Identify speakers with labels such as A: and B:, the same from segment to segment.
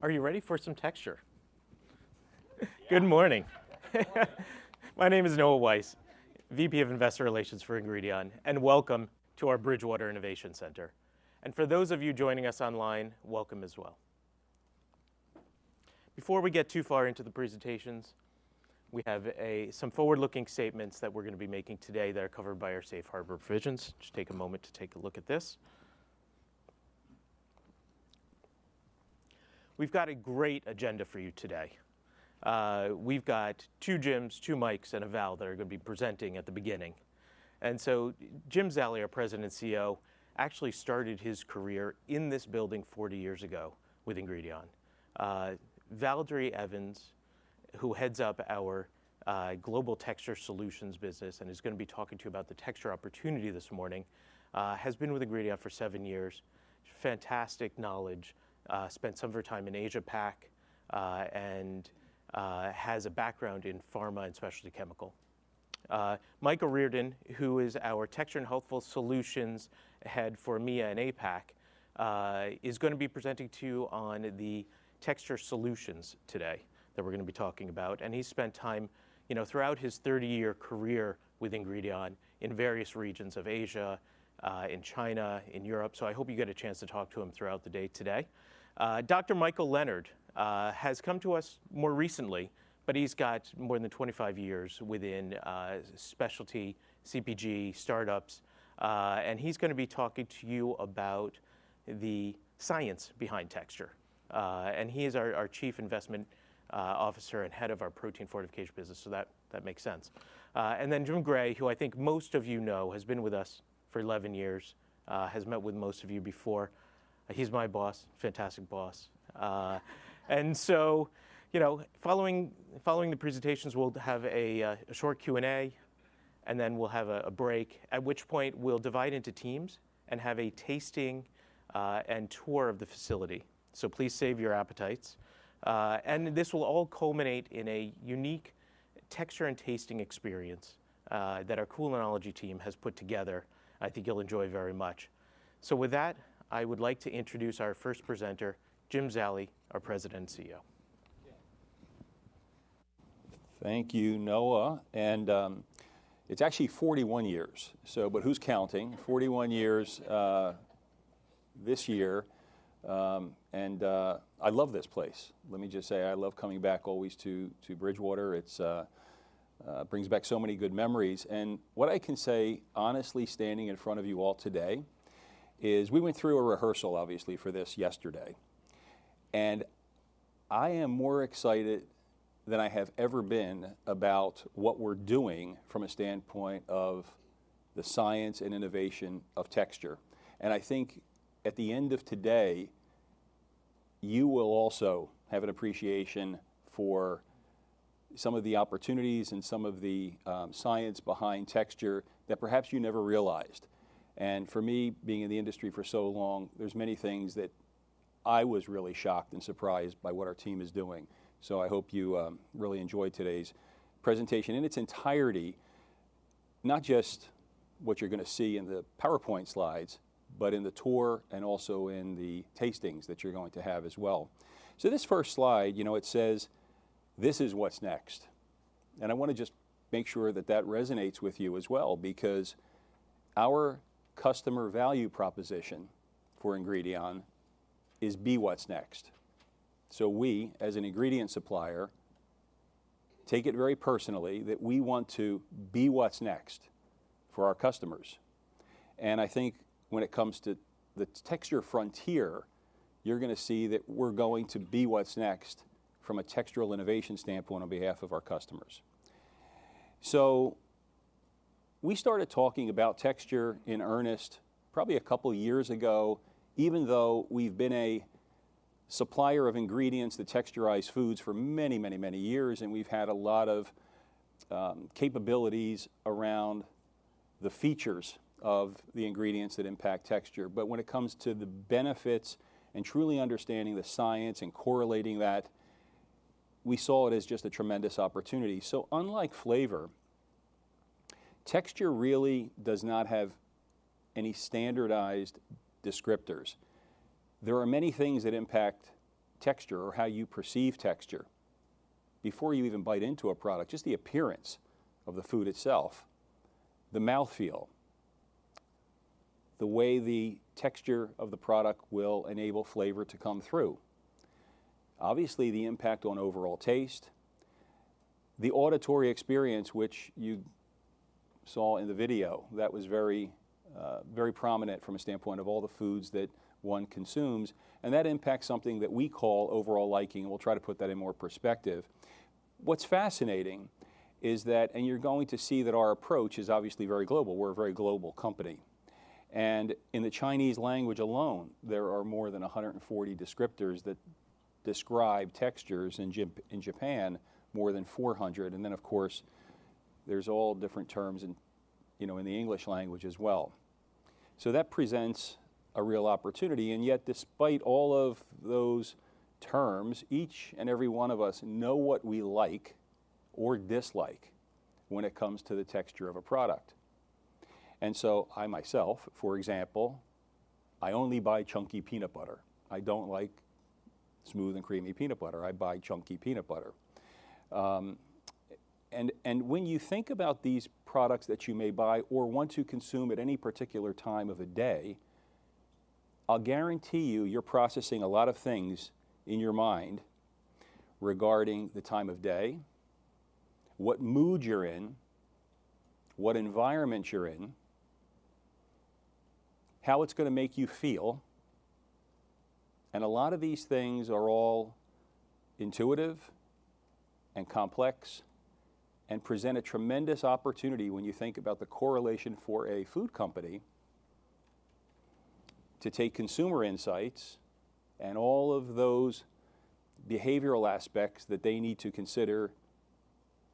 A: Are you ready for some texture? Good morning. My name is Noah Weiss, VP of Investor Relations for Ingredion, and welcome to our Bridgewater Innovation Center, and for those of you joining us online, welcome as well. Before we get too far into the presentations, we have some forward-looking statements that we're going to be making today that are covered by our Safe Harbor provisions. Just take a moment to take a look at this. We've got a great agenda for you today. We've got two Jims, two Mikes, and a Val that are going to be presenting at the beginning, and so Jim Zallie, our President and CEO, actually started his career in this building 40 years ago with Ingredion. Valdirene Evans, who heads up our global texture solutions business and is going to be talking to you about the texture opportunity this morning, has been with Ingredion for seven years. Fantastic knowledge. Spent some of her time in Asia-Pac and has a background in pharma and specialty chemicals. Mike O’Riordan, who is our Texture and Healthful Solutions Head for EMEA and APAC, is going to be presenting to you on the texture solutions today that we're going to be talking about. And he's spent time throughout his 30-year career with Ingredion in various regions of Asia, in China, in Europe. So I hope you get a chance to talk to him throughout the day today. Dr. Michael Leonard has come to us more recently, but he's got more than 25 years within specialty, CPG, startups. And he's going to be talking to you about the science behind texture. He is our Chief Innovation Officer and head of our protein fortification business. That makes sense. Jim Gray, who I think most of you know, has been with us for 11 years, has met with most of you before. He's my boss, fantastic boss. Following the presentations, we'll have a short Q&A, and then we'll have a break, at which point we'll divide into teams and have a tasting and tour of the facility. Please save your appetites. This will all culminate in a unique texture and tasting experience that our Culinology team has put together. I think you'll enjoy very much. With that, I would like to introduce our first presenter, Jim Zallie, our President and CEO.
B: Thank you, Noah. And it's actually 41 years. But who's counting? 41 years this year. And I love this place. Let me just say, I love coming back always to Bridgewater. It brings back so many good memories. And what I can say, honestly, standing in front of you all today is we went through a rehearsal, obviously, for this yesterday. And I am more excited than I have ever been about what we're doing from a standpoint of the science and innovation of texture. And I think at the end of today, you will also have an appreciation for some of the opportunities and some of the science behind texture that perhaps you never realized. And for me, being in the industry for so long, there's many things that I was really shocked and surprised by what our team is doing. I hope you really enjoy today's presentation in its entirety, not just what you're going to see in the PowerPoint slides, but in the tour and also in the tastings that you're going to have as well. So this first slide, it says, "this is what's next." And I want to just make sure that that resonates with you as well, because our customer value proposition for Ingredion is be what's next. So we, as an ingredient supplier, take it very personally that we want to be what's next for our customers. And I think when it comes to the texture frontier, you're going to see that we're going to be what's next from a textural innovation standpoint on behalf of our customers. So we started talking about texture in earnest probably a couple of years ago, even though we've been a supplier of ingredients that texturize foods for many, many, many years. And we've had a lot of capabilities around the features of the ingredients that impact texture. But when it comes to the benefits and truly understanding the science and correlating that, we saw it as just a tremendous opportunity. So unlike flavor, texture really does not have any standardized descriptors. There are many things that impact texture or how you perceive texture. Before you even bite into a product, just the appearance of the food itself, the mouthfeel, the way the texture of the product will enable flavor to come through. Obviously, the impact on overall taste, the auditory experience, which you saw in the video, that was very prominent from a standpoint of all the foods that one consumes. That impacts something that we call overall liking. We'll try to put that in more perspective. What's fascinating is that, and you're going to see that our approach is obviously very global. We're a very global company. In the Chinese language alone, there are more than 140 descriptors that describe textures. In Japan, more than 400. Then, of course, there's all different terms in the English language as well. So that presents a real opportunity. Yet, despite all of those terms, each and every one of us know what we like or dislike when it comes to the texture of a product. So I myself, for example, only buy chunky peanut butter. I don't like smooth and creamy peanut butter. I buy chunky peanut butter. And when you think about these products that you may buy or want to consume at any particular time of the day, I'll guarantee you you're processing a lot of things in your mind regarding the time of day, what mood you're in, what environment you're in, how it's going to make you feel. And a lot of these things are all intuitive and complex and present a tremendous opportunity when you think about the correlation for a food company to take consumer insights and all of those behavioral aspects that they need to consider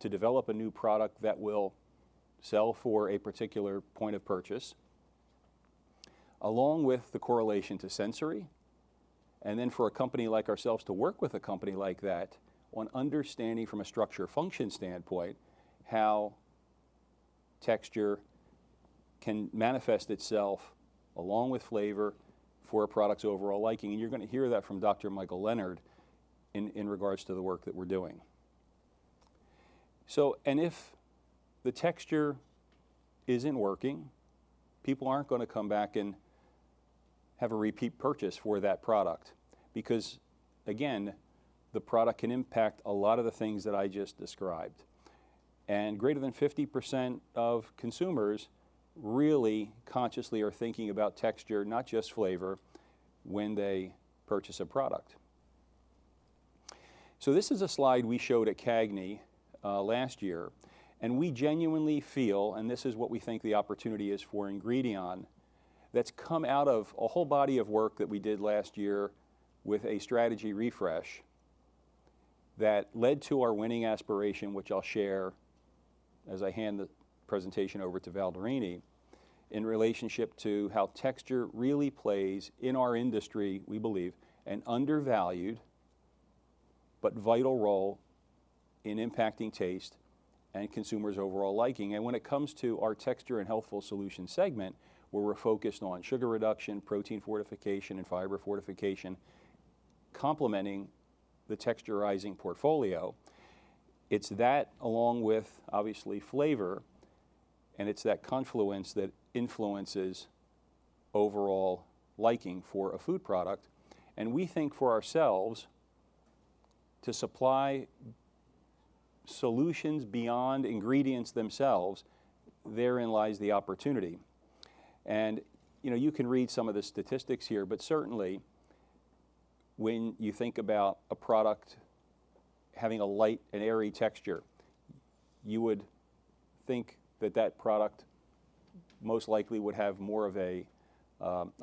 B: to develop a new product that will sell for a particular point of purchase, along with the correlation to sensory. And then for a company like ourselves to work with a company like that on understanding from a structure-function standpoint how texture can manifest itself along with flavor for a product's overall liking. You're going to hear that from Dr. Michael Leonard in regards to the work that we're doing. If the texture isn't working, people aren't going to come back and have a repeat purchase for that product. Because again, the product can impact a lot of the things that I just described. Greater than 50% of consumers really consciously are thinking about texture, not just flavor, when they purchase a product. This is a slide we showed at CAGNY last year. We genuinely feel, and this is what we think the opportunity is for Ingredion. That's come out of a whole body of work that we did last year with a strategy refresh that led to our winning aspiration, which I'll share as I hand the presentation over to Valdirene in relation to how texture really plays in our industry. We believe it plays an undervalued but vital role in impacting taste and consumers' overall liking. When it comes to our Texture and Healthful Solutions segment, where we're focused on sugar reduction, protein fortification, and fiber fortification, complementing the texturizing portfolio, it's that along with, obviously, flavor. And it's that confluence that influences overall liking for a food product. We think for ourselves, to supply solutions beyond ingredients themselves, therein lies the opportunity. You can read some of the statistics here. But certainly, when you think about a product having a light and airy texture, you would think that that product most likely would have more of a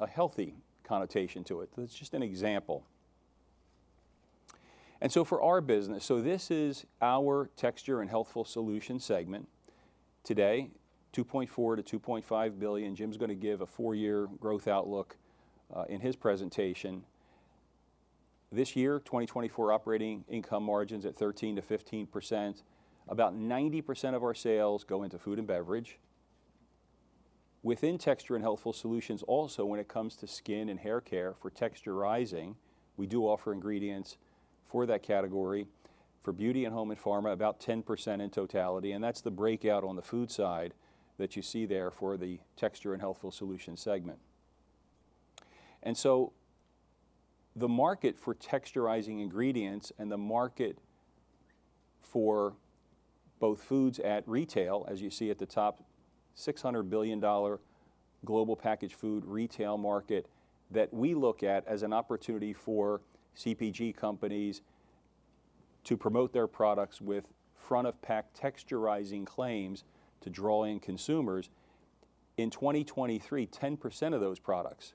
B: healthy connotation to it. That's just an example. And so for our business, so this is our Texture and Healthful Solutions segment today, $2.4 billion-$2.5 billion. Jim's going to give a four-year growth outlook in his presentation. This year, 2024, operating income margins at 13%-15%. About 90% of our sales go into food and beverage. Within Texture and Healthful Solutions, also when it comes to skin and hair care for texturizing, we do offer ingredients for that category for beauty and home and pharma, about 10% in totality. And that's the breakout on the food side that you see there for the Texture and Healthful Solutions segment. And so the market for texturizing ingredients and the market for both foods at retail, as you see at the top, $600 billion global packaged food retail market that we look at as an opportunity for CPG companies to promote their products with front-of-pack texturizing claims to draw in consumers. In 2023, 10% of those products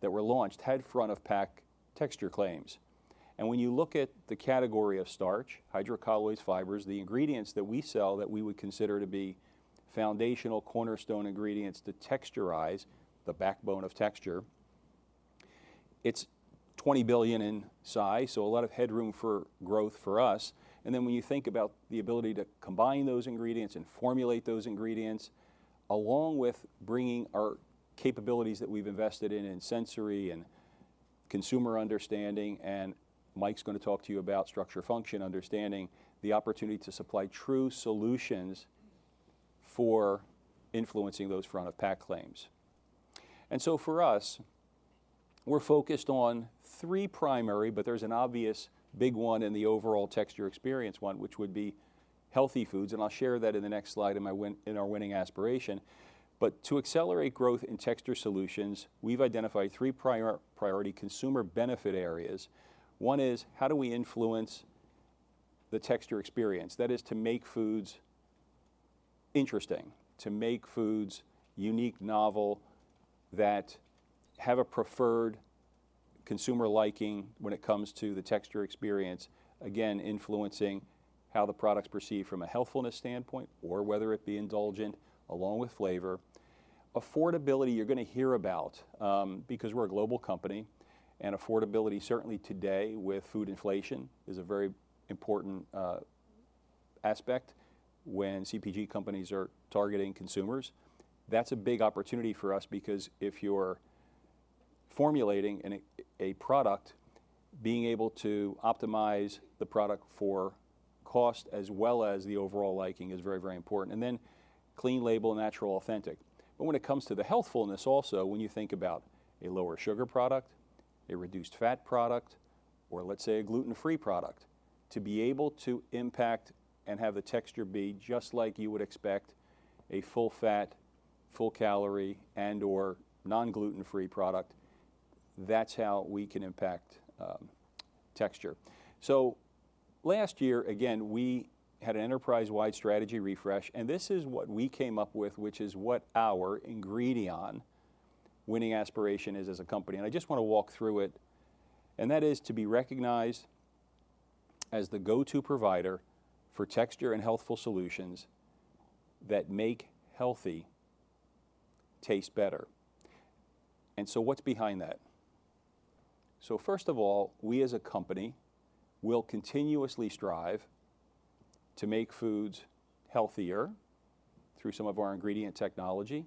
B: that were launched had front-of-pack texture claims. And when you look at the category of starch, hydrocolloids, fibers, the ingredients that we sell that we would consider to be foundational cornerstone ingredients to texturize, the backbone of texture, it's $20 billion in size. So a lot of headroom for growth for us. And then when you think about the ability to combine those ingredients and formulate those ingredients, along with bringing our capabilities that we've invested in, in sensory and consumer understanding. And Mike's going to talk to you about structure-function understanding, the opportunity to supply true solutions for influencing those front-of-pack claims. And so for us, we're focused on three primary, but there's an obvious big one in the overall texture experience one, which would be healthy foods. And I'll share that in the next slide in our winning aspiration. But to accelerate growth in texture solutions, we've identified three priority consumer benefit areas. One is how do we influence the texture experience? That is to make foods interesting, to make foods unique, novel that have a preferred consumer liking when it comes to the texture experience, again, influencing how the products perceive from a healthfulness standpoint or whether it be indulgent along with flavor. Affordability, you're going to hear about because we're a global company. And affordability, certainly today with food inflation, is a very important aspect when CPG companies are targeting consumers. That's a big opportunity for us because if you're formulating a product, being able to optimize the product for cost as well as the overall liking is very, very important. And then clean label, natural, authentic. But when it comes to the healthfulness, also when you think about a lower sugar product, a reduced fat product, or let's say a gluten-free product, to be able to impact and have the texture be just like you would expect a full fat, full calorie, and/or non-gluten-free product, that's how we can impact texture. So last year, again, we had an enterprise-wide strategy refresh. And this is what we came up with, which is what our Ingredion winning aspiration is as a company. And I just want to walk through it. And that is to be recognized as the go-to provider for Texture and Healthful Solutions that make healthy taste better. And so what's behind that? So first of all, we as a company will continuously strive to make foods healthier through some of our ingredient technology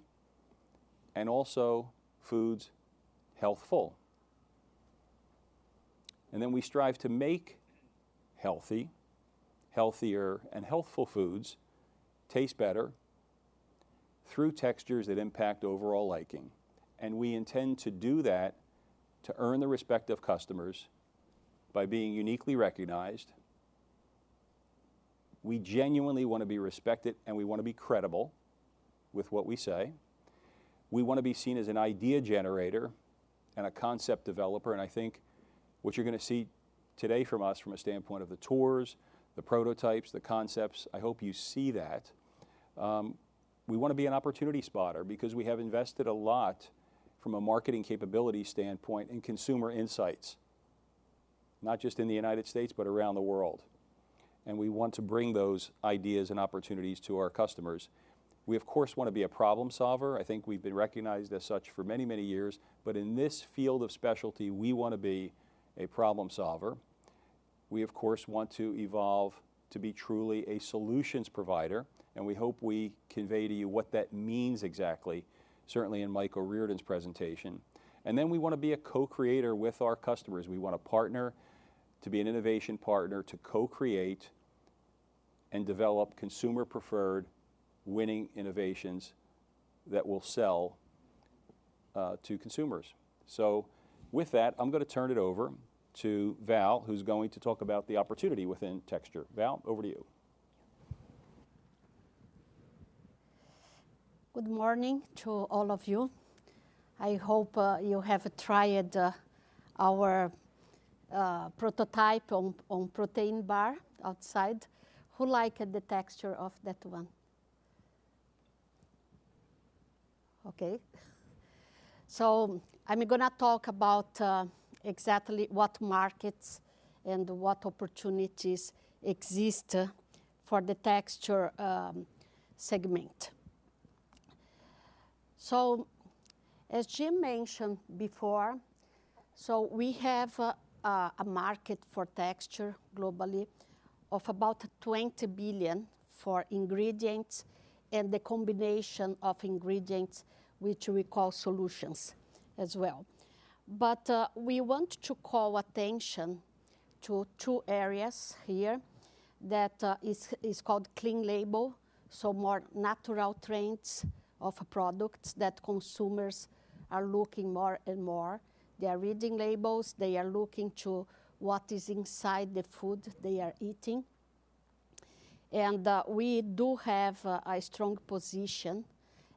B: and also foods healthful. And then we strive to make healthy, healthier, and healthful foods taste better through textures that impact overall liking. And we intend to do that to earn the respect of customers by being uniquely recognized. We genuinely want to be respected, and we want to be credible with what we say. We want to be seen as an idea generator and a concept developer. And I think what you're going to see today from us from a standpoint of the tours, the prototypes, the concepts. I hope you see that. We want to be an opportunity spotter because we have invested a lot from a marketing capability standpoint in consumer insights, not just in the United States, but around the world. And we want to bring those ideas and opportunities to our customers. We, of course, want to be a problem solver. I think we've been recognized as such for many, many years. But in this field of specialty, we want to be a problem solvers. We, of course, want to evolve to be truly a solutions provider. And we hope we convey to you what that means exactly, certainly in Mike O’Riordan's presentation. And then we want to be a co-creator with our customers. We want to partner to be an innovation partner to co-create and develop consumer-preferred winning innovations that will sell to consumers. So with that, I'm going to turn it over to Val, who's going to talk about the opportunity within texture. Val, over to you.
C: Good morning to all of you. I hope you have tried our prototype on protein bar outside. Who liked the texture of that one? Okay. So I'm going to talk about exactly what markets and what opportunities exist for the texture segment. So as Jim mentioned before, we have a market for texture globally of about $20 billion for ingredients and the combination of ingredients, which we call solutions as well. But we want to call attention to two areas here that is called clean label, so more natural traits of a product that consumers are looking more and more. They are reading labels. They are looking to what is inside the food they are eating. We do have a strong position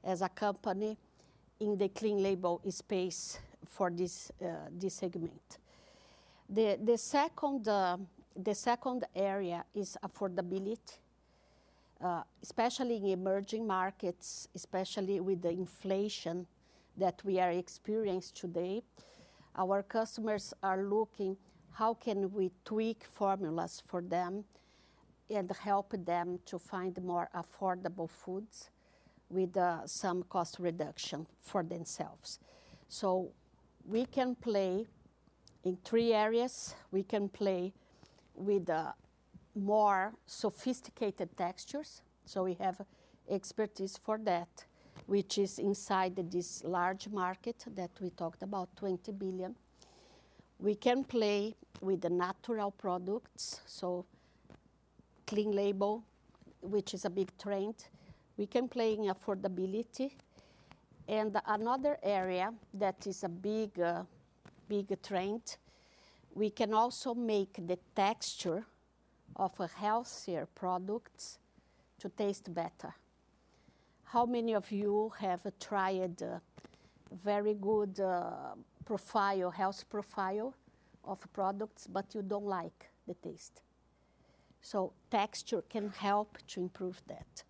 C: as a company in the clean label space for this segment. The second area is affordability, especially in emerging markets, especially with the inflation that we are experiencing today. Our customers are looking how can we tweak formulas for them and help them to find more affordable foods with some cost reduction for themselves. We can play in three areas. We can play with more sophisticated textures. We have expertise for that, which is inside this large market that we talked about, $20 billion. We can play with the natural products, so clean label, which is a big trend. We can play in affordability. Another area that is a big trend, we can also make the texture of healthier products to taste better. How many of you have tried very good profile, health profile of products, but you don't like the taste, so texture can help to improve that,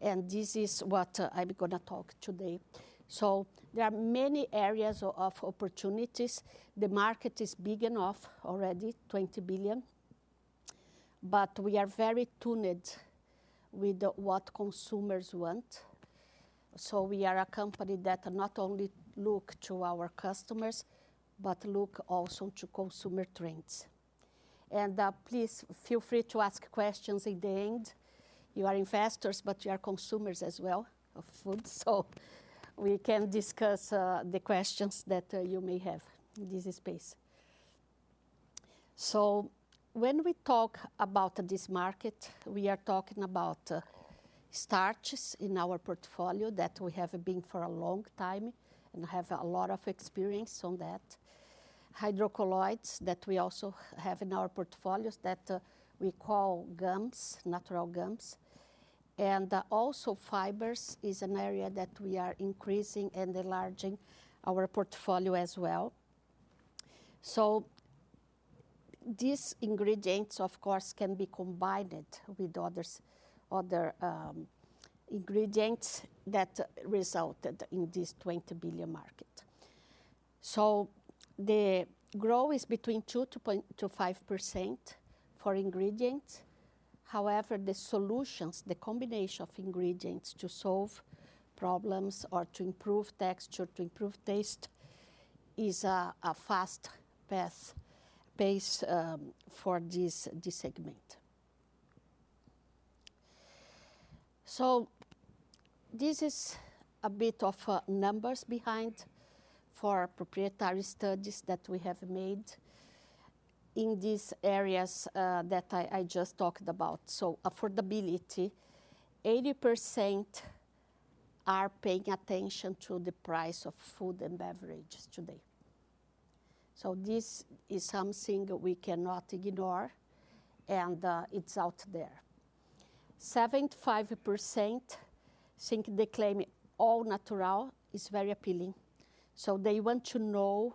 C: and this is what I'm going to talk today, so there are many areas of opportunities. The market is big enough already, $20 billion, but we are very tuned with what consumers want, so we are a company that not only looks to our customers, but looks also to consumer trends, and please feel free to ask questions at the end. You are investors, but you are consumers as well of food, so we can discuss the questions that you may have in this space. When we talk about this market, we are talking about starches in our portfolio that we have been for a long time and have a lot of experience on that, hydrocolloids that we also have in our portfolios that we call gums, natural gums. And also fibers is an area that we are increasing and enlarging our portfolio as well. These ingredients, of course, can be combined with other ingredients that resulted in this $20 billion market. The growth is between 2% to 5% for ingredients. However, the solutions, the combination of ingredients to solve problems or to improve texture, to improve taste, is a fast-paced basis for this segment. This is a bit of numbers behind for proprietary studies that we have made in these areas that I just talked about. So affordability, 80% are paying attention to the price of food and beverages today. So this is something we cannot ignore, and it's out there. 75% think the claim all natural is very appealing. So they want to know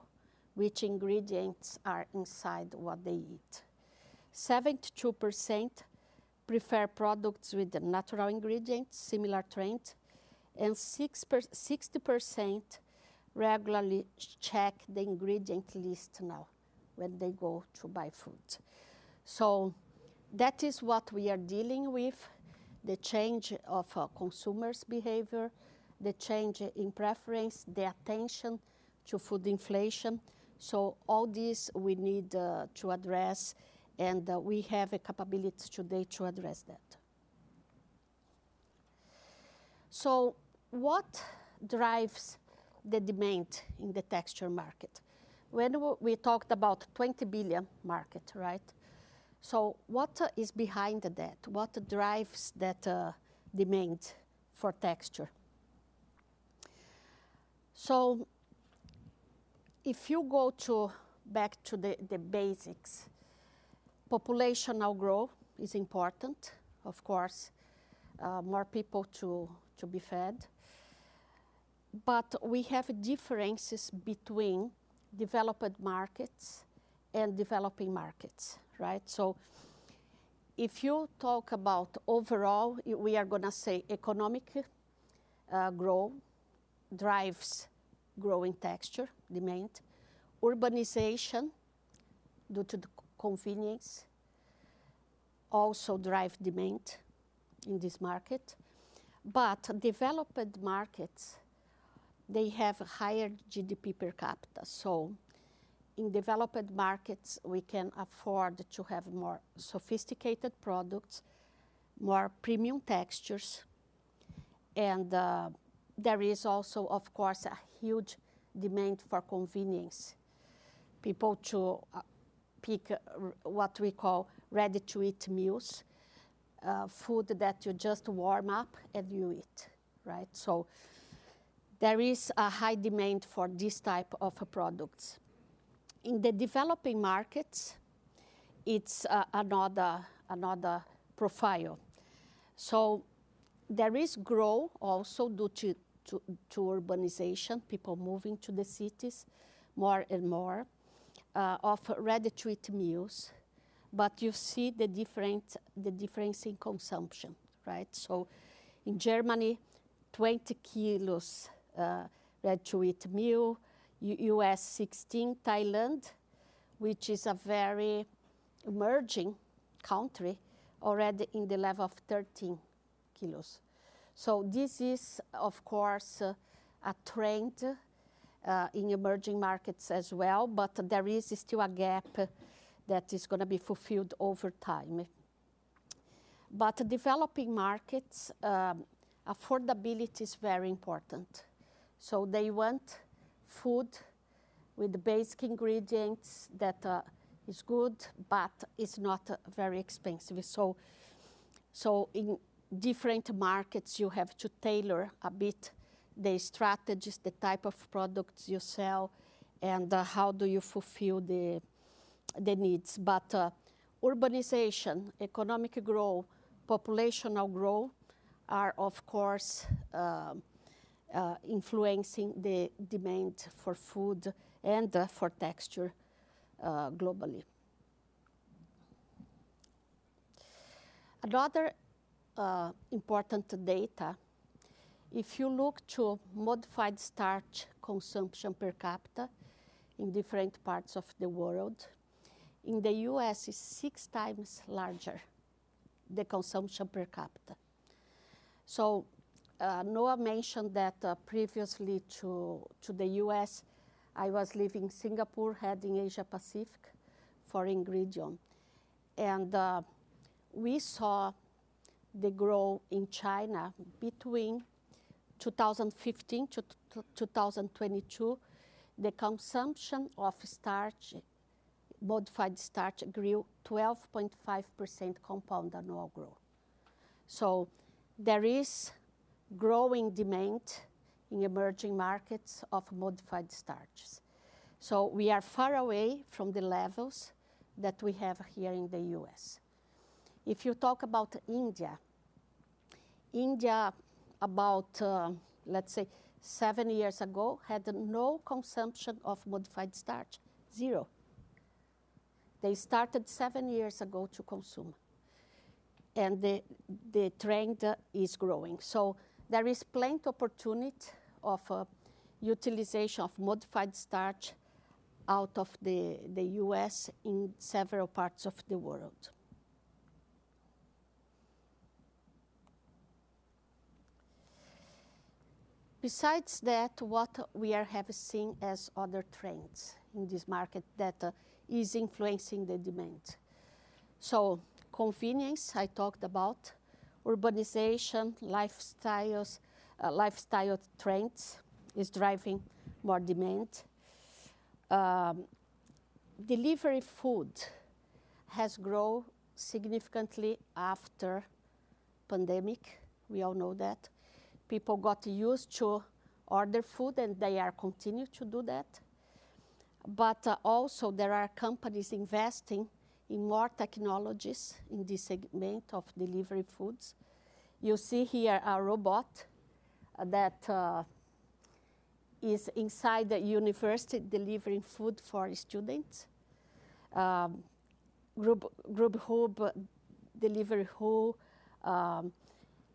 C: which ingredients are inside what they eat. 72% prefer products with natural ingredients, similar trend. And 60% regularly check the ingredient list now when they go to buy food. So that is what we are dealing with, the change of consumers' behavior, the change in preference, the attention to food inflation. So all these we need to address, and we have a capability today to address that. So what drives the demand in the texture market? When we talked about $20 billion market, right? So what is behind that? What drives that demand for texture? So if you go back to the basics, population growth is important, of course, more people to be fed. But we have differences between developed markets and developing markets, right? So if you talk about overall, we are going to say economic growth drives growing texture, demand. Urbanization due to the convenience also drives demand in this market. But developed markets, they have higher GDP per capita. So in developed markets, we can afford to have more sophisticated products, more premium textures. And there is also, of course, a huge demand for convenience. People to pick what we call ready-to-eat meals, food that you just warm up and you eat, right? So there is a high demand for these types of products. In the developing markets, it's another profile. So there is growth also due to urbanization, people moving to the cities more and more of ready-to-eat meals. But you see the difference in consumption, right? So in Germany, 20 kilos ready-to-eat meal. U.S., 16. Thailand, which is a very emerging country, already in the level of 13 kilos. So this is, of course, a trend in emerging markets as well. But there is still a gap that is going to be fulfilled over time. But developing markets, affordability is very important. So they want food with basic ingredients that is good, but it's not very expensive. So in different markets, you have to tailor a bit the strategies, the type of products you sell, and how do you fulfill the needs. But urbanization, economic growth, population growth are, of course, influencing the demand for food and for texture globally. Another important data, if you look to modified starch consumption per capita in different parts of the world, in the U.S., it's six times larger, the consumption per capita. Noah mentioned that previously to the U.S., I was living in Singapore, heading Asia-Pacific for Ingredion. We saw the growth in China between 2015-2022, the consumption of starch, modified starch, grew 12.5% compound annual growth. There is growing demand in emerging markets of modified starches. We are far away from the levels that we have here in the U.S. If you talk about India, about, let's say, seven years ago, had no consumption of modified starch, zero. They started seven years ago to consume. The trend is growing. There is plenty of opportunity of utilization of modified starch out of the U.S. in several parts of the world. Besides that, what we are seeing as other trends in this market that is influencing the demand, so convenience, I talked about, urbanization, lifestyle trends is driving more demand. Delivery food has grown significantly after the pandemic. We all know that. People got used to order food, and they are continuing to do that, but also, there are companies investing in more technologies in this segment of delivery foods. You see here a robot that is inside the university delivering food for students. Grubhub, Deliveroo,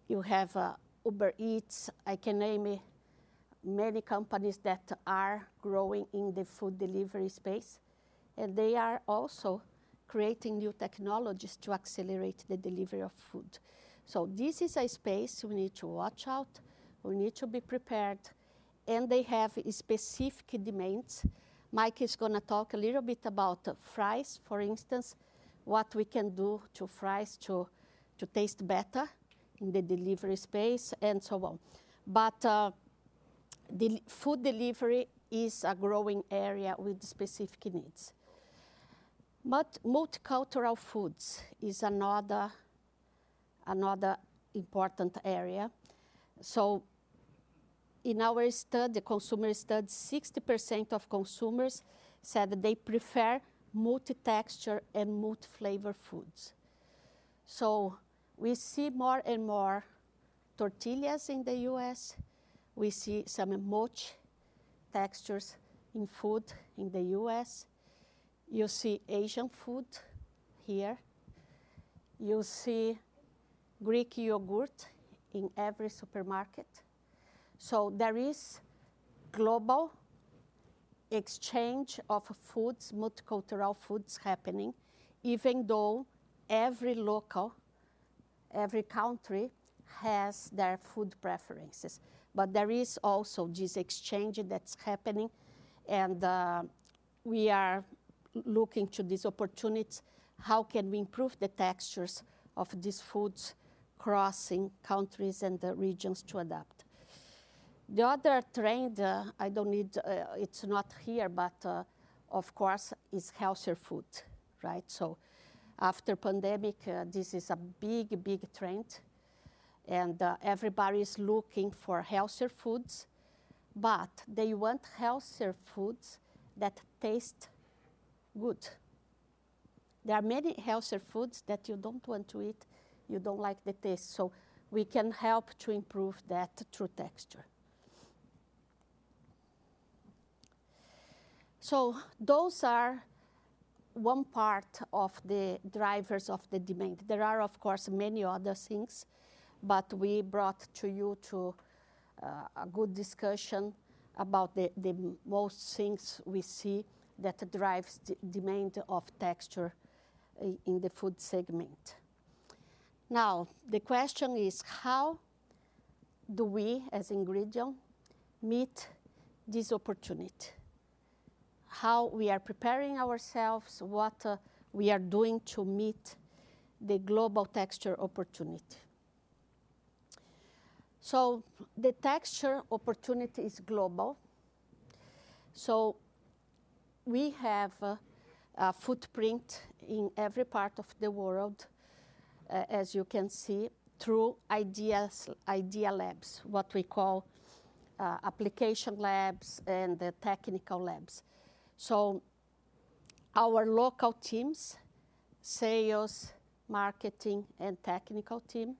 C: you have Uber Eats, I can name many companies that are growing in the food delivery space, and they are also creating new technologies to accelerate the delivery of food, so this is a space we need to watch out. We need to be prepared, and they have specific demands. Mike is going to talk a little bit about fries, for instance, what we can do to fries to taste better in the delivery space and so on. But food delivery is a growing area with specific needs. But multicultural foods is another important area. So in our study, consumer study, 60% of consumers said they prefer multi-texture and multi-flavor foods. So we see more and more tortillas in the U.S. We see some multi-textures in food in the U.S. You see Asian food here. You see Greek yogurt in every supermarket. So there is global exchange of foods, multicultural foods happening, even though every locale, every country has their food preferences. But there is also this exchange that's happening. And we are looking to this opportunity. How can we improve the textures of these foods crossing countries and regions to adapt? The other trend, I don't need, it's not here, but of course, is healthier food, right? So after the pandemic, this is a big, big trend, and everybody is looking for healthier foods, but they want healthier foods that taste good. There are many healthier foods that you don't want to eat. You don't like the taste, so we can help to improve that through texture, so those are one part of the drivers of the demand. There are, of course, many other things, but we brought to you a good discussion about the most things we see that drives the demand of texture in the food segment. Now, the question is, how do we as Ingredion meet this opportunity? How are we preparing ourselves? What are we doing to meet the global texture opportunity, so the texture opportunity is global. We have a footprint in every part of the world, as you can see, through Idea Labs, what we call application labs and technical labs. Our local teams, sales, marketing, and technical team,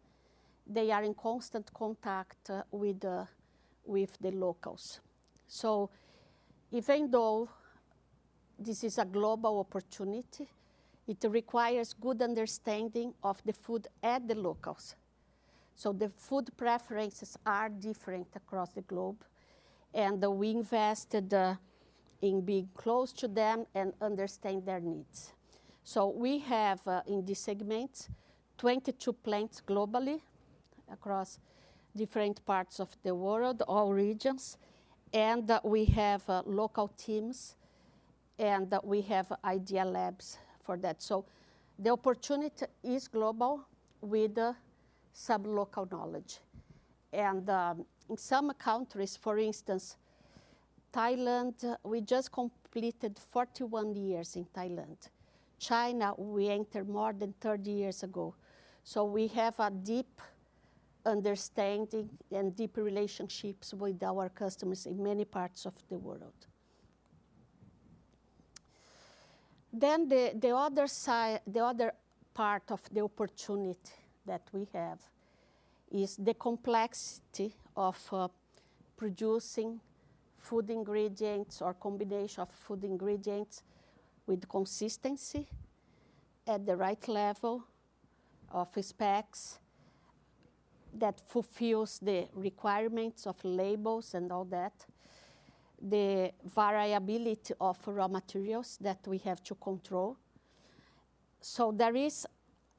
C: they are in constant contact with the locals. Even though this is a global opportunity, it requires good understanding of the local foods. The food preferences are different across the globe. We invested in being close to them and understanding their needs. We have in this segment 22 plants globally across different parts of the world, all regions. We have local teams, and we have Idea Labs for that. The opportunity is global with sub-local knowledge. In some countries, for instance, Thailand, we just completed 41 years in Thailand. China, we entered more than 30 years ago. So we have a deep understanding and deep relationships with our customers in many parts of the world. Then the other part of the opportunity that we have is the complexity of producing food ingredients or combination of food ingredients with consistency at the right level of specs that fulfills the requirements of labels and all that, the variability of raw materials that we have to control. So there is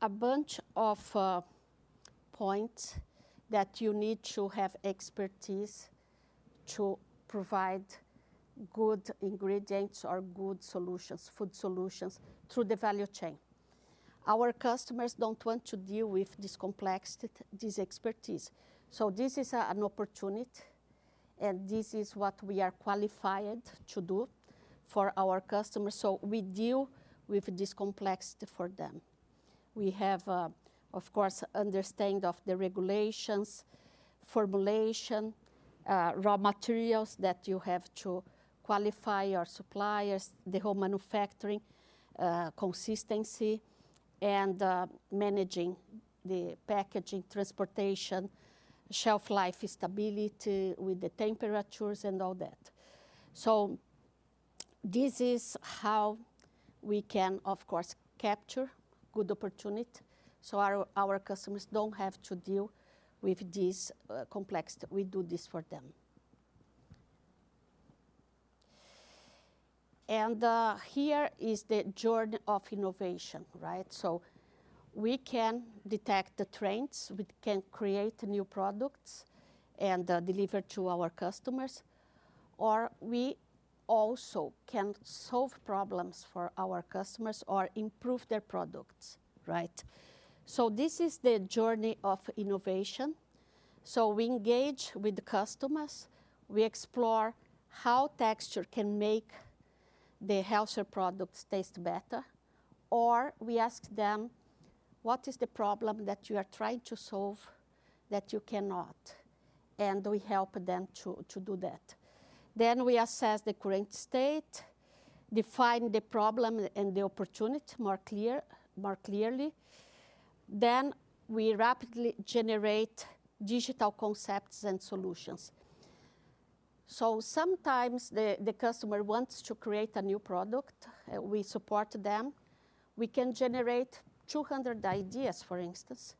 C: a bunch of points that you need to have expertise to provide good ingredients or good solutions, food solutions through the value chain. Our customers don't want to deal with this complexity, this expertise. So this is an opportunity. And this is what we are qualified to do for our customers. So we deal with this complexity for them. We have, of course, understanding of the regulations, formulation, raw materials that you have to qualify your suppliers, the whole manufacturing, consistency, and managing the packaging, transportation, shelf life stability with the temperatures and all that. So this is how we can, of course, capture good opportunity. So our customers don't have to deal with this complexity. We do this for them. And here is the journey of innovation, right? So we can detect the trends. We can create new products and deliver to our customers. Or we also can solve problems for our customers or improve their products, right? So this is the journey of innovation. So we engage with the customers. We explore how texture can make the healthier products taste better. Or we ask them, what is the problem that you are trying to solve that you cannot? And we help them to do that. Then we assess the current state, define the problem and the opportunity more clearly. Then we rapidly generate digital concepts and solutions. So sometimes the customer wants to create a new product. We support them. We can generate 200 ideas, for instance,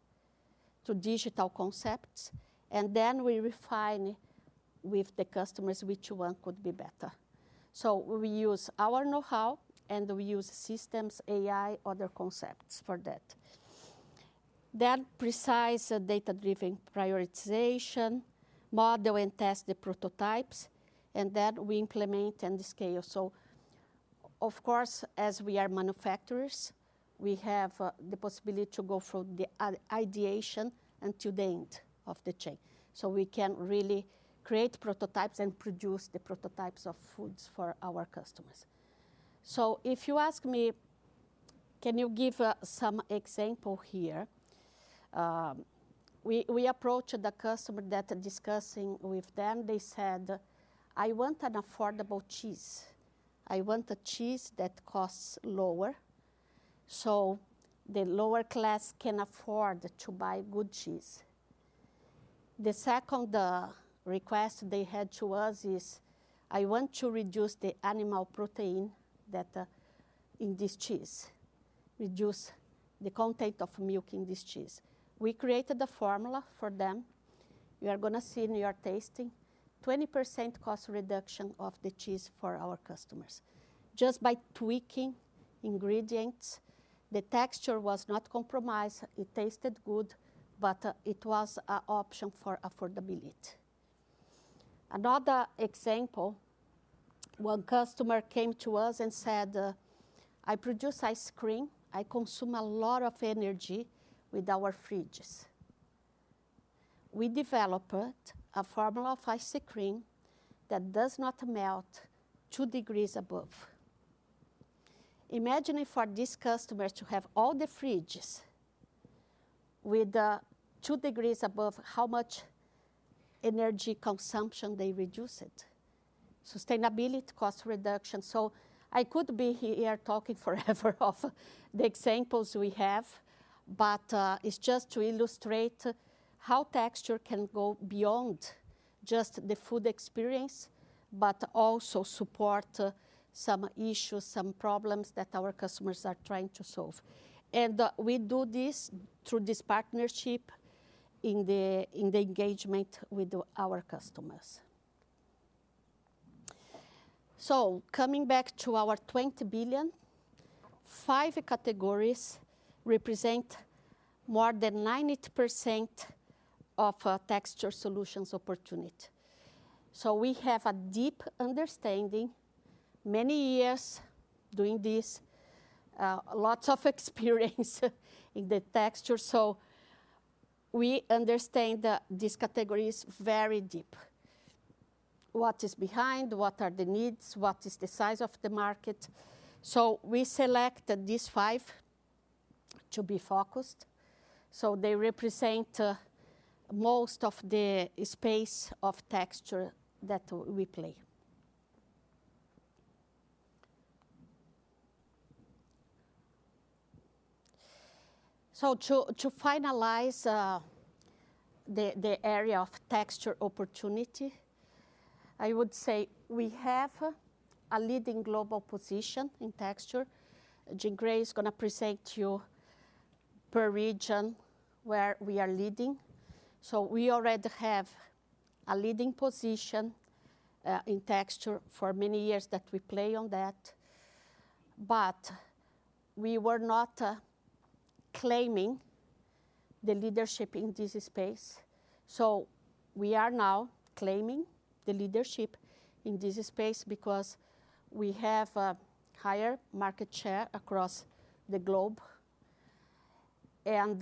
C: to digital concepts. And then we refine with the customers which one could be better. So we use our know-how, and we use systems, AI, other concepts for that. Then precise data-driven prioritization, model and test the prototypes. And then we implement and scale. So, of course, as we are manufacturers, we have the possibility to go from the ideation until the end of the chain. So we can really create prototypes and produce the prototypes of foods for our customers. So if you ask me, can you give some example here? We approached the customer that is discussing with them. They said, I want an affordable cheese. I want a cheese that costs lower so the lower class can afford to buy good cheese. The second request they had to us is, I want to reduce the animal protein in this cheese, reduce the content of milk in this cheese. We created a formula for them. You are going to see in your tasting, 20% cost reduction of the cheese for our customers. Just by tweaking ingredients, the texture was not compromised. It tasted good, but it was an option for affordability. Another example, one customer came to us and said, I produce ice cream. I consume a lot of energy with our fridges. We developed a formula for ice cream that does not melt two degrees above. Imagining for this customer to have all the fridges with two degrees above, how much energy consumption they reduce it. Sustainability, cost reduction. I could be here talking forever of the examples we have. It's just to illustrate how texture can go beyond just the food experience, but also support some issues, some problems that our customers are trying to solve. We do this through this partnership in the engagement with our customers. Coming back to our $20 billion, five categories represent more than 90% of texture solutions opportunity. We have a deep understanding, many years doing this, lots of experience in the texture. We understand these categories very deep. What is behind? What are the needs? What is the size of the market? We selected these five to be focused. They represent most of the space of texture that we play. To finalize the area of texture opportunity, I would say we have a leading global position in texture. Gray is going to present to you per region where we are leading, so we already have a leading position in texture for many years that we play on that, but we were not claiming the leadership in this space, so we are now claiming the leadership in this space because we have a higher market share across the globe, and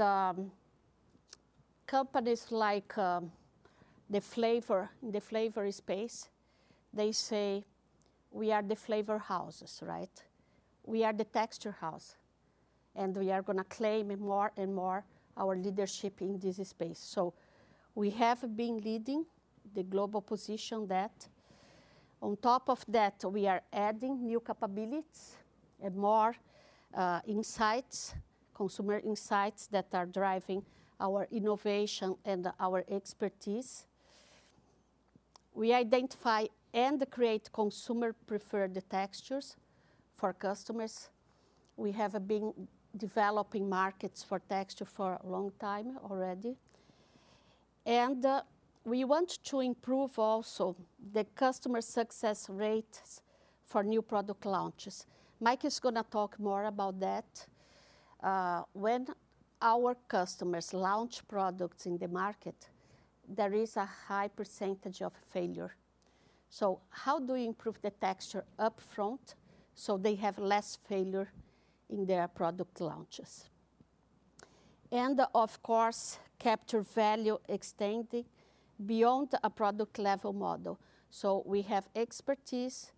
C: companies like the flavor space, they say we are the flavor houses, right? We are the texture house, and we are going to claim more and more our leadership in this space, so we have been leading the global position that on top of that, we are adding new capabilities and more insights, consumer insights that are driving our innovation and our expertise. We identify and create consumer-preferred textures for customers. We have been developing markets for texture for a long time already. And we want to improve also the customer success rates for new product launches. Mike is going to talk more about that. When our customers launch products in the market, there is a high percentage of failure. So how do we improve the texture upfront so they have less failure in their product launches? And, of course, capture value extending beyond a product level model. So we have expertise.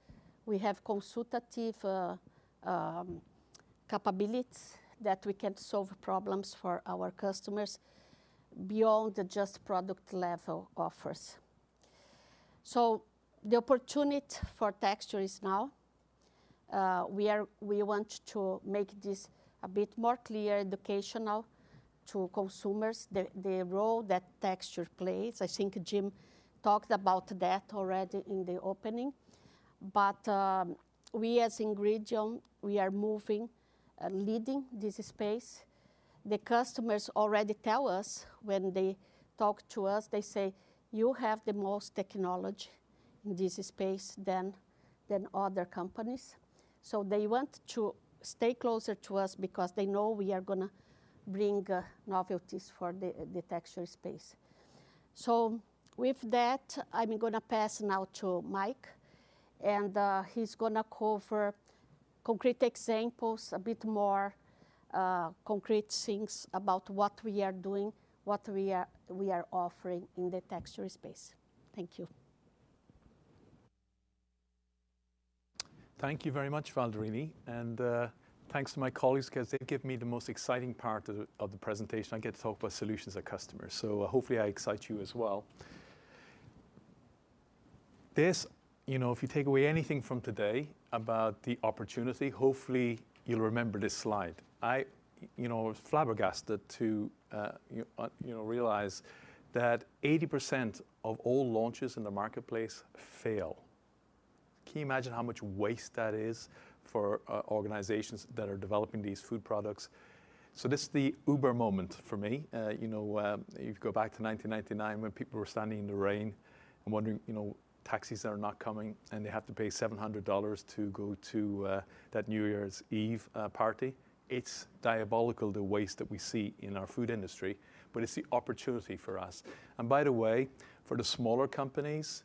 C: We have consultative capabilities that we can solve problems for our customers beyond just product level offers. So the opportunity for texture is now. We want to make this a bit more clear, educational to consumers, the role that texture plays. I think Jim talked about that already in the opening. But we as Ingredion, we are moving, leading this space. The customers already tell us when they talk to us. They say, you have the most technology in this space than other companies. So they want to stay closer to us because they know we are going to bring novelties for the texture space. So with that, I'm going to pass now to Mike. And he's going to cover concrete examples, a bit more concrete things about what we are doing, what we are offering in the texture space. Thank you.
D: Thank you very much, Valdirene. And thanks to my colleagues because they give me the most exciting part of the presentation. I get to talk about solutions at customers. So hopefully I excite you as well. If you take away anything from today about the opportunity, hopefully you'll remember this slide. I was flabbergasted to realize that 80% of all launches in the marketplace fail. Can you imagine how much waste that is for organizations that are developing these food products? So this is the Uber moment for me. You go back to 1999 when people were standing in the rain and wondering, taxis are not coming, and they have to pay $700 to go to that New Year's Eve party. It's diabolical the waste that we see in our food industry, but it's the opportunity for us. And by the way, for the smaller companies,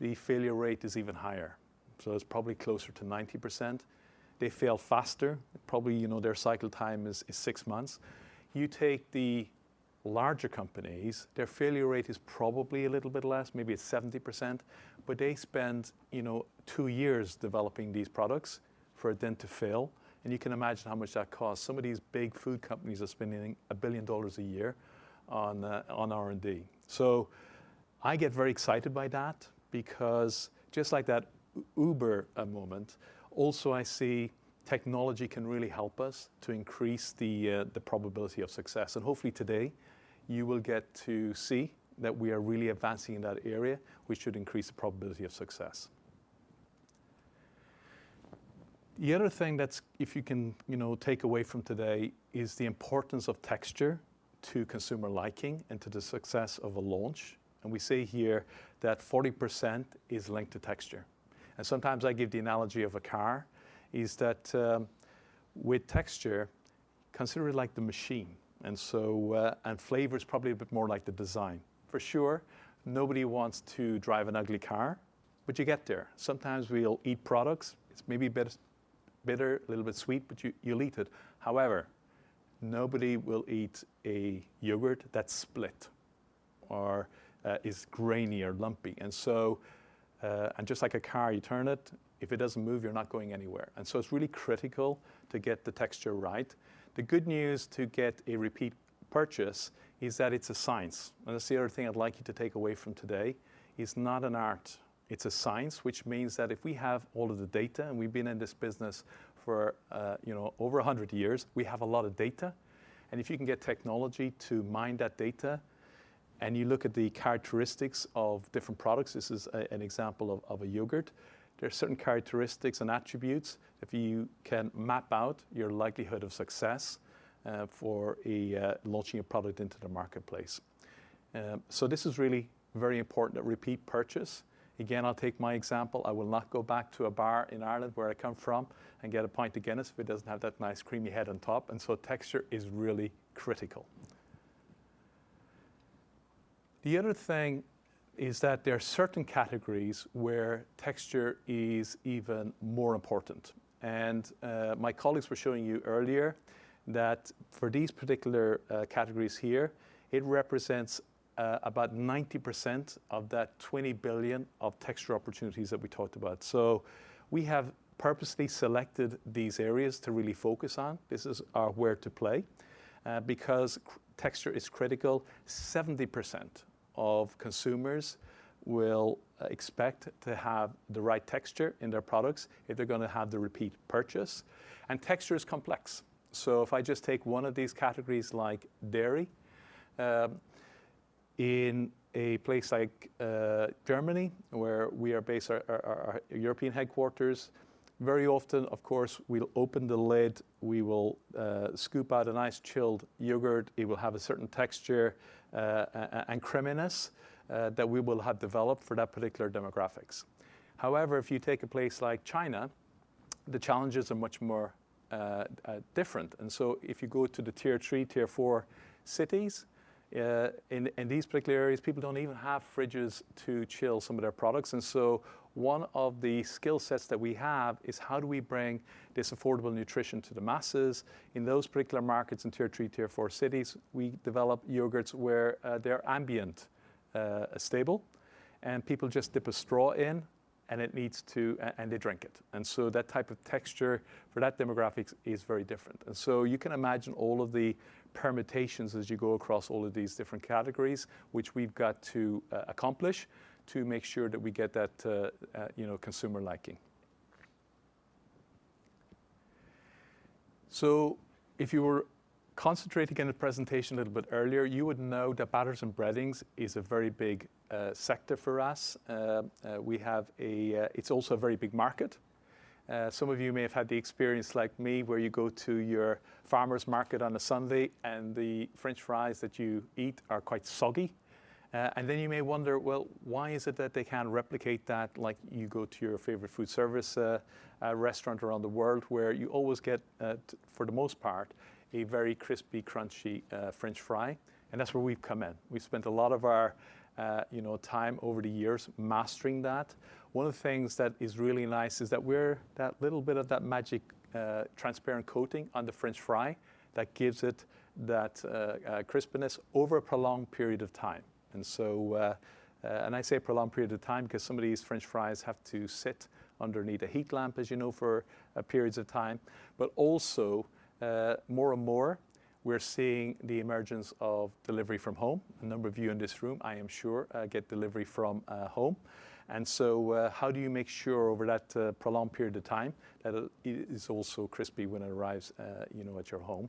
D: the failure rate is even higher. So it's probably closer to 90%. They fail faster. Probably their cycle time is six months. You take the larger companies, their failure rate is probably a little bit less, maybe 70%. But they spend two years developing these products for them to fail. And you can imagine how much that costs. Some of these big food companies are spending $1 billion a year on R&D. So I get very excited by that because just like that Uber moment, also I see technology can really help us to increase the probability of success. And hopefully today you will get to see that we are really advancing in that area, which should increase the probability of success. The other thing that if you can take away from today is the importance of texture to consumer liking and to the success of a launch. And we see here that 40% is linked to texture. And sometimes I give the analogy of a car is that with texture, consider it like the machine. And flavor is probably a bit more like the design. For sure, nobody wants to drive an ugly car, but you get there. Sometimes we'll eat products. It's maybe bitter, a little bit sweet, but you'll eat it. However, nobody will eat a yogurt that's split or is grainy or lumpy. And just like a car, you turn it. If it doesn't move, you're not going anywhere. And so it's really critical to get the texture right. The good news to get a repeat purchase is that it's a science. And that's the other thing I'd like you to take away from today is not an art. It's a science, which means that if we have all of the data, and we've been in this business for over 100 years, we have a lot of data. And if you can get technology to mine that data and you look at the characteristics of different products, this is an example of a yogurt. There are certain characteristics and attributes that you can map out your likelihood of success for launching a product into the marketplace. So this is really very important, a repeat purchase. Again, I'll take my example. I will not go back to a bar in Ireland where I come from and get a pint of Guinness if it doesn't have that nice creamy head on top. And so texture is really critical. The other thing is that there are certain categories where texture is even more important. And my colleagues were showing you earlier that for these particular categories here, it represents about 90% of that $20 billion of texture opportunities that we talked about. So we have purposely selected these areas to really focus on. This is our where to play because texture is critical. 70% of consumers will expect to have the right texture in their products if they're going to have the repeat purchase, and texture is complex, so if I just take one of these categories like dairy in a place like Germany, where we are based our European headquarters, very often, of course, we'll open the lid. We will scoop out a nice chilled yogurt. It will have a certain texture and creaminess that we will have developed for that particular demographics. However, if you take a place like China, the challenges are much more different, and so if you go to the tier three, tier four cities, in these particular areas, people don't even have fridges to chill some of their products. One of the skill sets that we have is how do we bring this affordable nutrition to the masses in those particular markets in tier three, tier four cities? We develop yogurts where they're ambient stable. People just dip a straw in, and they drink it. That type of texture for that demographic is very different. You can imagine all of the permutations as you go across all of these different categories, which we've got to accomplish to make sure that we get that consumer liking. If you were concentrating on the presentation a little bit earlier, you would know that batters and breadings is a very big sector for us. It's also a very big market. Some of you may have had the experience like me where you go to your farmer's market on a Sunday, and the French fries that you eat are quite soggy, and then you may wonder, well, why is it that they can't replicate that like you go to your favorite food service restaurant around the world where you always get, for the most part, a very crispy, crunchy French fry, and that's where we've come in. We've spent a lot of our time over the years mastering that. One of the things that is really nice is that we're that little bit of that magic transparent coating on the French fry that gives it that crispness over a prolonged period of time, and I say a prolonged period of time because some of these French fries have to sit underneath a heat lamp, as you know, for periods of time. But also, more and more, we're seeing the emergence of delivery from home. A number of you in this room, I am sure, get delivery from home. And so how do you make sure over that prolonged period of time that it is also crispy when it arrives at your home?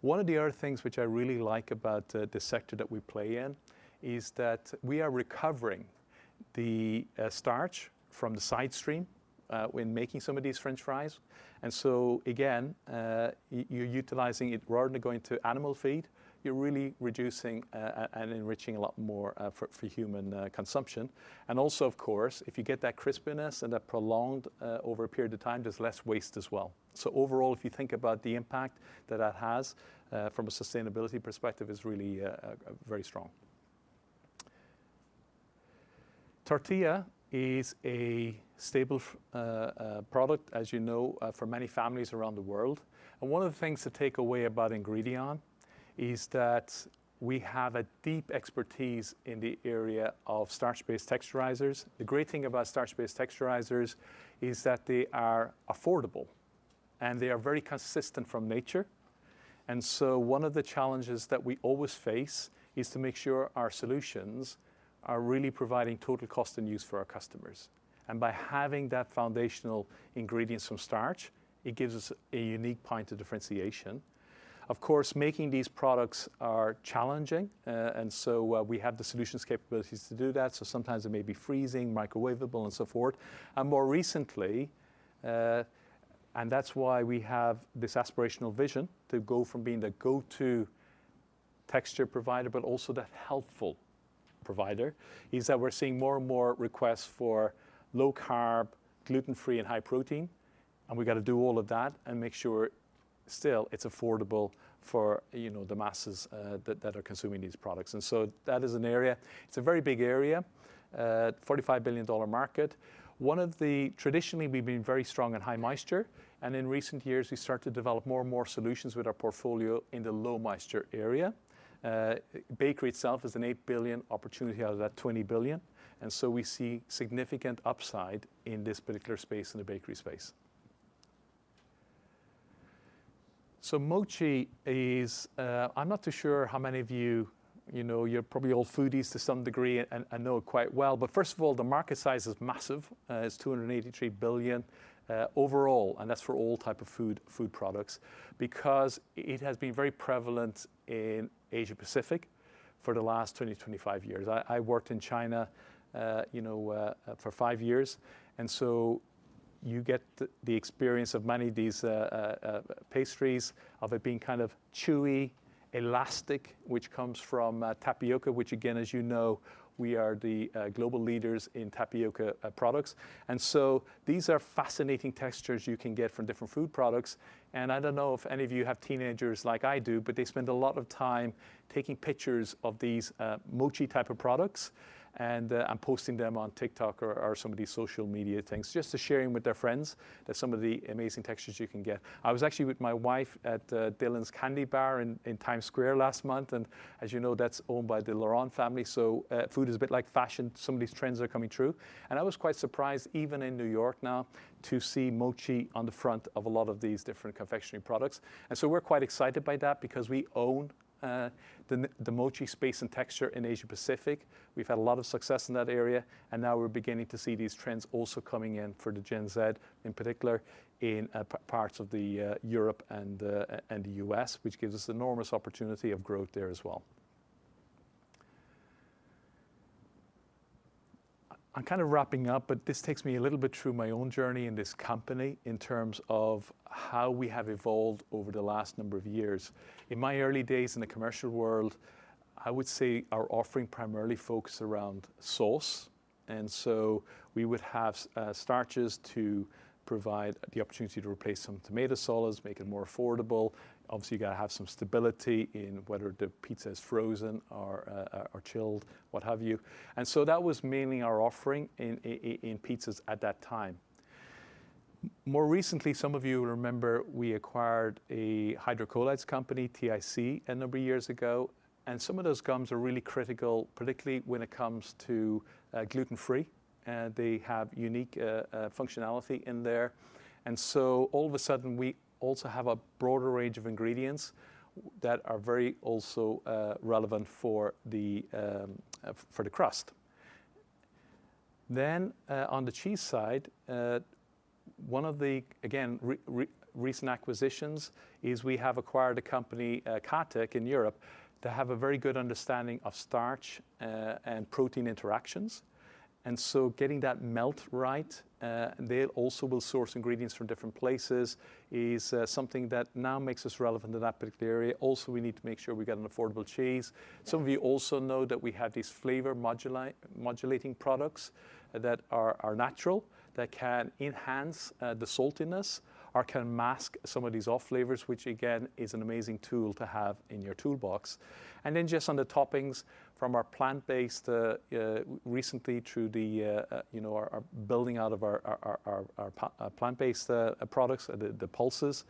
D: One of the other things which I really like about the sector that we play in is that we are recovering the starch from the side stream when making some of these French fries. And so again, you're utilizing it rather than going to animal feed. You're really reducing and enriching a lot more for human consumption. And also, of course, if you get that crispness and that prolonged over a period of time, there's less waste as well. So overall, if you think about the impact that that has from a sustainability perspective, it's really very strong. Tortilla is a stable product, as you know, for many families around the world. One of the things to take away about Ingredion is that we have a deep expertise in the area of starch-based texturizers. The great thing about starch-based texturizers is that they are affordable, and they are very consistent from nature. One of the challenges that we always face is to make sure our solutions are really providing total cost and use for our customers. By having that foundational ingredients from starch, it gives us a unique point of differentiation. Of course, making these products is challenging. We have the solutions capabilities to do that. Sometimes it may be freezing, microwavable, and so forth. And more recently, and that's why we have this aspirational vision to go from being the go-to texture provider, but also that healthful provider, is that we're seeing more and more requests for low-carb, gluten-free, and high protein. And we've got to do all of that and make sure still it's affordable for the masses that are consuming these products. And so that is an area. It's a very big area, $45 billion market. Traditionally, we've been very strong at high moisture. And in recent years, we started to develop more and more solutions with our portfolio in the low moisture area. Bakery itself is an $8 billion opportunity out of that $20 billion. And so we see significant upside in this particular space in the bakery space. So, Mochi is. I'm not too sure how many of you, you're probably all foodies to some degree and know it quite well. But first of all, the market size is massive. It's $283 billion overall. And that's for all types of food products because it has been very prevalent in Asia-Pacific for the last 20-25 years. I worked in China for five years. And so you get the experience of many of these pastries of it being kind of chewy, elastic, which comes from tapioca, which again, as you know, we are the global leaders in tapioca products. And so these are fascinating textures you can get from different food products. I don't know if any of you have teenagers like I do, but they spend a lot of time taking pictures of these Mochi type of products and posting them on TikTok or some of these social media things just to share them with their friends that some of the amazing textures you can get. I was actually with my wife at Dylan's Candy Bar in Times Square last month. As you know, that's owned by the Lauren family. Food is a bit like fashion. Some of these trends are coming true. I was quite surprised even in New York now to see Mochi on the front of a lot of these different confectionery products. We're quite excited by that because we own the Mochi space and texture in Asia-Pacific. We've had a lot of success in that area. Now we're beginning to see these trends also coming in for the Gen Z in particular in parts of Europe and the U.S., which gives us enormous opportunity of growth there as well. I'm kind of wrapping up, but this takes me a little bit through my own journey in this company in terms of how we have evolved over the last number of years. In my early days in the commercial world, I would say our offering primarily focused around sauce. And so we would have starches to provide the opportunity to replace some tomato solids, make it more affordable. Obviously, you've got to have some stability in whether the pizza is frozen or chilled, what have you. And so that was mainly our offering in pizzas at that time. More recently, some of you will remember we acquired a hydrocolloids company, TIC, a number of years ago. And some of those gums are really critical, particularly when it comes to gluten-free. They have unique functionality in there. And so all of a sudden, we also have a broader range of ingredients that are very also relevant for the crust. Then on the cheese side, one of the, again, recent acquisitions is we have acquired a company, KaTech, in Europe to have a very good understanding of starch and protein interactions. And so getting that melt right, they also will source ingredients from different places, is something that now makes us relevant in that particular area. Also, we need to make sure we get an affordable cheese. Some of you also know that we have these flavor modulating products that are natural that can enhance the saltiness or can mask some of these off flavors, which again is an amazing tool to have in your toolbox. And then, just on the toppings from our plant-based, recently through the building out of our plant-based products, the pulses,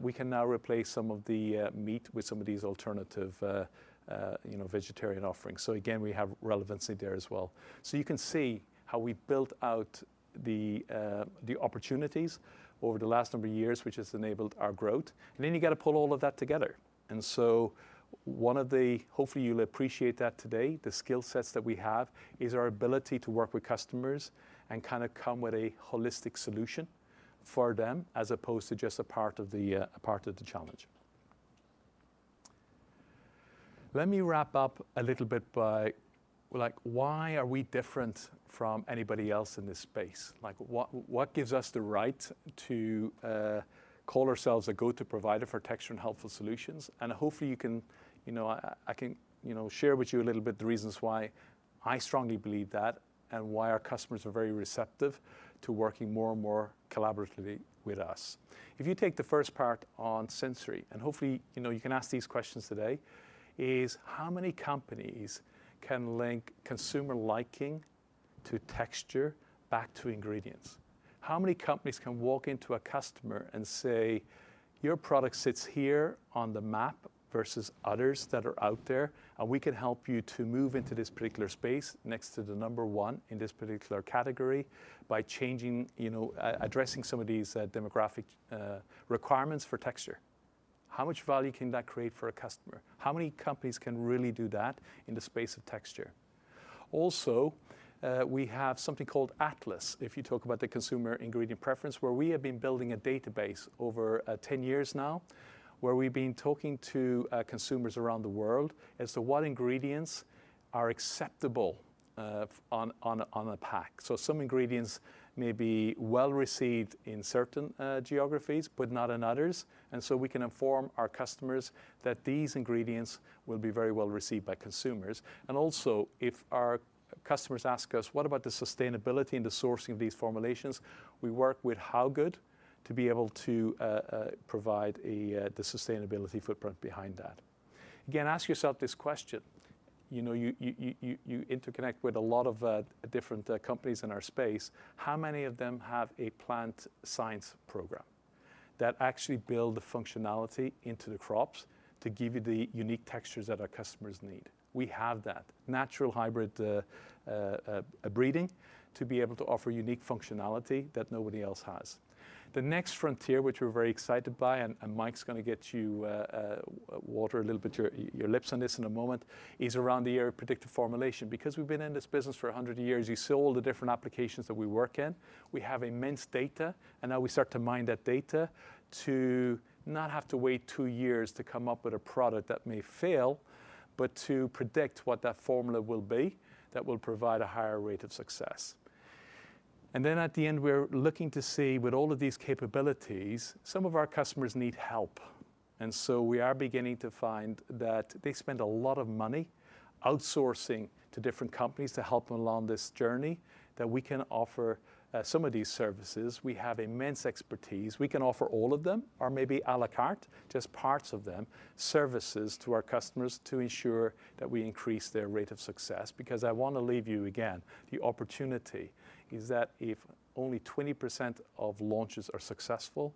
D: we can now replace some of the meat with some of these alternative vegetarian offerings. So again, we have relevancy there as well. So you can see how we've built out the opportunities over the last number of years, which has enabled our growth. And then you've got to pull all of that together. And so one of the, hopefully you'll appreciate that today, the skill sets that we have is our ability to work with customers and kind of come with a holistic solution for them as opposed to just a part of the challenge. Let me wrap up a little bit by why are we different from anybody else in this space? What gives us the right to call ourselves a go-to provider for Texture and Healthful Solutions? Hopefully, I can share with you a little bit the reasons why I strongly believe that and why our customers are very receptive to working more and more collaboratively with us. If you take the first part on sensory, and hopefully you can ask these questions today, is how many companies can link consumer liking to texture back to ingredients? How many companies can walk into a customer and say, "Your product sits here on the map versus others that are out there, and we can help you to move into this particular space next to the number one in this particular category by addressing some of these demographic requirements for texture?" How much value can that create for a customer? How many companies can really do that in the space of texture? Also, we have something called ATLAS, if you talk about the consumer ingredient preference, where we have been building a database over 10 years now, where we've been talking to consumers around the world as to what ingredients are acceptable on a pack. So some ingredients may be well received in certain geographies, but not in others. And so we can inform our customers that these ingredients will be very well received by consumers. And also, if our customers ask us, "What about the sustainability and the sourcing of these formulations?" We work with HowGood to be able to provide the sustainability footprint behind that.
B: Again, ask yourself this question. You interconnect with a lot of different companies in our space. How many of them have a plant science program that actually builds the functionality into the crops to give you the unique textures that our customers need? We have that natural hybrid breeding to be able to offer unique functionality that nobody else has. The next frontier, which we're very excited by, and Mike's going to whet your appetite a little bit on this in a moment, is around the area of predictive formulation. Because we've been in this business for 100 years, you see all the different applications that we work in. We have immense data. And now we start to mine that data to not have to wait two years to come up with a product that may fail, but to predict what that formula will be that will provide a higher rate of success. And then at the end, we're looking to see with all of these capabilities, some of our customers need help. And so we are beginning to find that they spend a lot of money outsourcing to different companies to help them along this journey that we can offer some of these services. We have immense expertise. We can offer all of them or maybe à la carte, just parts of them, services to our customers to ensure that we increase their rate of success. Because I want to leave you again, the opportunity is that if only 20% of launches are successful,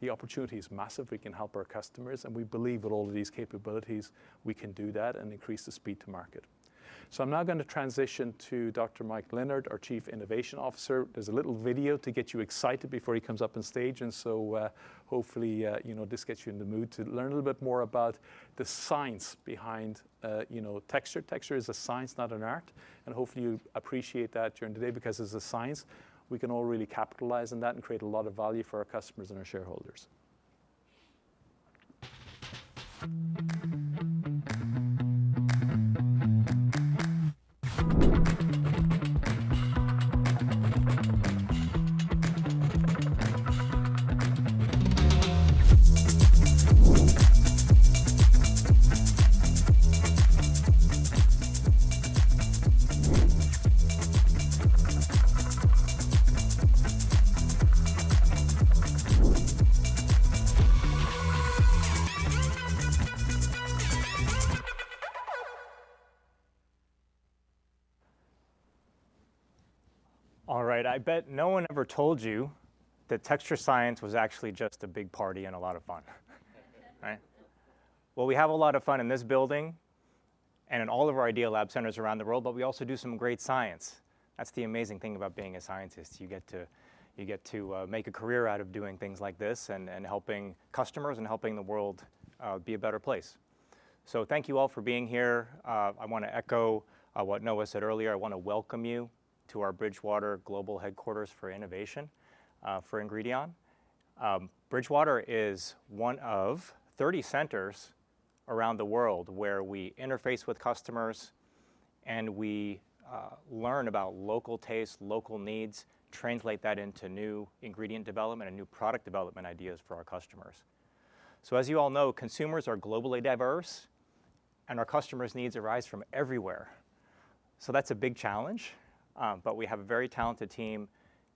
B: the opportunity is massive. We can help our customers. And we believe with all of these capabilities, we can do that and increase the speed to market. So I'm now going to transition to Dr. Mike Leonard, our Chief Innovation Officer. There's a little video to get you excited before he comes up on stage. So hopefully this gets you in the mood to learn a little bit more about the science behind texture. Texture is a science, not an art. And hopefully you appreciate that during the day because it's a science. We can all really capitalize on that and create a lot of value for our customers and our shareholders.
E: All right. I bet no one ever told you that texture science was actually just a big party and a lot of fun. Right? Well, we have a lot of fun in this building and in all of our Idea Labs centers around the world, but we also do some great science. That's the amazing thing about being a scientist. You get to make a career out of doing things like this and helping customers and helping the world be a better place. So thank you all for being here. I want to echo what Noah said earlier. I want to welcome you to our Bridgewater Global Headquarters for Innovation for Ingredion. Bridgewater is one of 30 centers around the world where we interface with customers, and we learn about local taste, local needs, translate that into new ingredient development and new product development ideas for our customers. So, as you all know, consumers are globally diverse, and our customers' needs arise from everywhere. So that's a big challenge. But we have a very talented team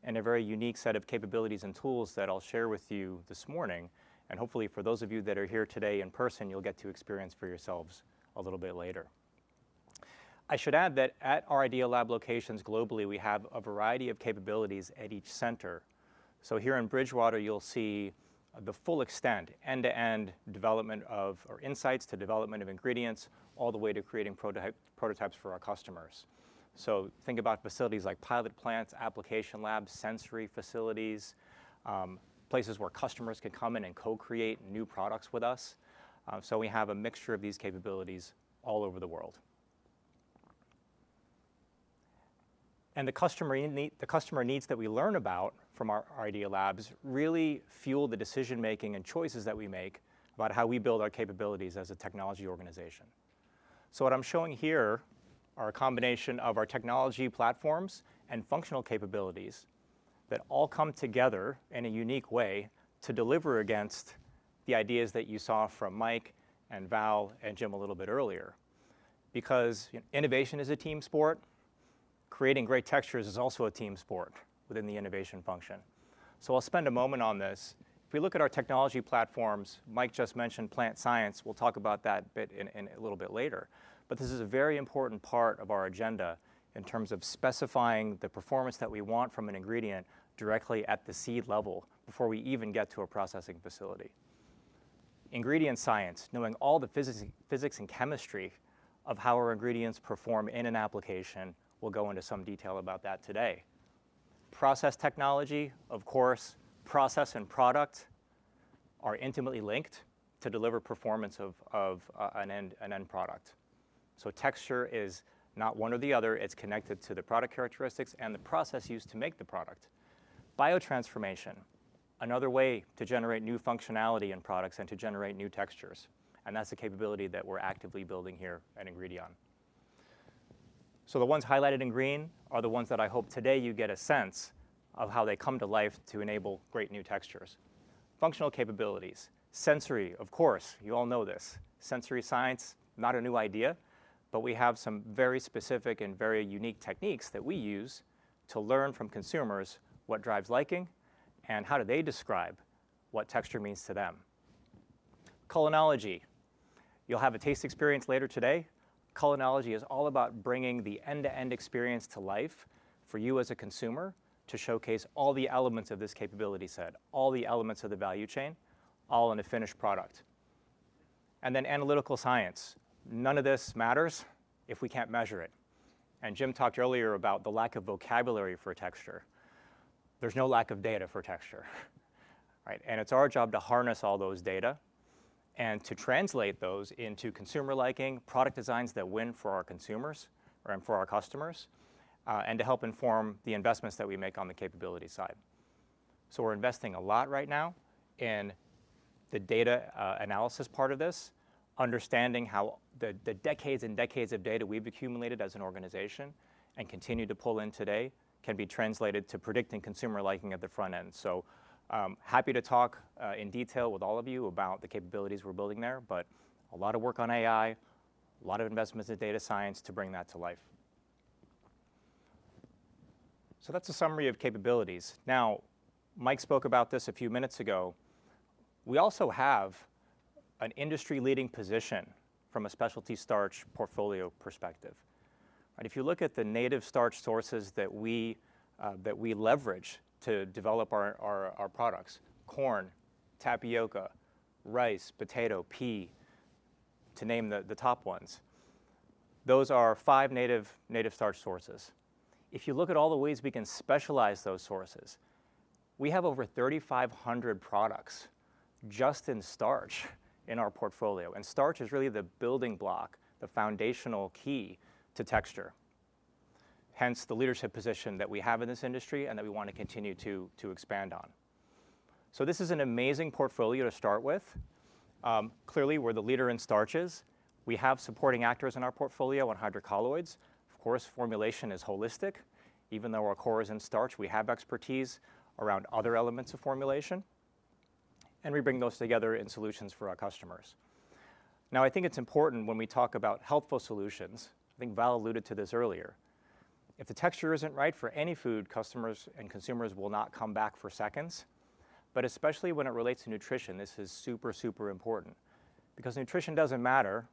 E: and a very unique set of capabilities and tools that I'll share with you this morning. And hopefully, for those of you that are here today in person, you'll get to experience for yourselves a little bit later. I should add that at our Idea Labs locations globally, we have a variety of capabilities at each center. So here in Bridgewater, you'll see the full extent, end-to-end development of our insights to development of ingredients all the way to creating prototypes for our customers. So think about facilities like pilot plants, application labs, sensory facilities, places where customers can come in and co-create new products with us. So we have a mixture of these capabilities all over the world. And the customer needs that we learn about from our Idea Labs really fuel the decision-making and choices that we make about how we build our capabilities as a technology organization. So what I'm showing here are a combination of our technology platforms and functional capabilities that all come together in a unique way to deliver against the ideas that you saw from Mike and Val and Jim a little bit earlier. Because innovation is a team sport. Creating great textures is also a team sport within the innovation function. So I'll spend a moment on this. If we look at our technology platforms, Mike just mentioned plant science. We'll talk about that a little bit later. But this is a very important part of our agenda in terms of specifying the performance that we want from an ingredient directly at the seed level before we even get to a processing facility. Ingredient science, knowing all the physics and chemistry of how our ingredients perform in an application, we'll go into some detail about that today. Process technology, of course, process and product are intimately linked to deliver performance of an end product. So texture is not one or the other. It's connected to the product characteristics and the process used to make the product. Biotransformation, another way to generate new functionality in products and to generate new textures. And that's the capability that we're actively building here at Ingredion. So the ones highlighted in green are the ones that I hope today you get a sense of how they come to life to enable great new textures. Functional capabilities, sensory, of course, you all know this. Sensory science, not a new idea, but we have some very specific and very unique techniques that we use to learn from consumers what drives liking and how do they describe what texture means to them. Culinology, you'll have a taste experience later today. Culinology is all about bringing the end-to-end experience to life for you as a consumer to showcase all the elements of this capability set, all the elements of the value chain, all in a finished product. And then analytical science, none of this matters if we can't measure it. And Jim talked earlier about the lack of vocabulary for texture. There's no lack of data for texture. And it's our job to harness all those data and to translate those into consumer liking, product designs that win for our consumers and for our customers, and to help inform the investments that we make on the capability side. So we're investing a lot right now in the data analysis part of this, understanding how the decades and decades of data we've accumulated as an organization and continue to pull in today can be translated to predicting consumer liking at the front end. So happy to talk in detail with all of you about the capabilities we're building there, but a lot of work on AI, a lot of investments in data science to bring that to life.
B: So that's a summary of capabilities. Now, Mike spoke about this a few minutes ago. We also have an industry-leading position from a specialty starch portfolio perspective. If you look at the native starch sources that we leverage to develop our products, corn, tapioca, rice, potato, pea, to name the top ones, those are five native starch sources. If you look at all the ways we can specialize those sources, we have over 3,500 products just in starch in our portfolio. And starch is really the building block, the foundational key to texture, hence the leadership position that we have in this industry and that we want to continue to expand on. So this is an amazing portfolio to start with. Clearly, we're the leader in starches. We have supporting actors in our portfolio on hydrocolloids. Of course, formulation is holistic. Even though our core is in starch, we have expertise around other elements of formulation and we bring those together in solutions for our customers. Now, I think it's important when we talk about healthful solutions. I think Val alluded to this earlier. If the texture isn't right for any food, customers and consumers will not come back for seconds but especially when it relates to nutrition, this is super, super important. Because nutrition doesn't matter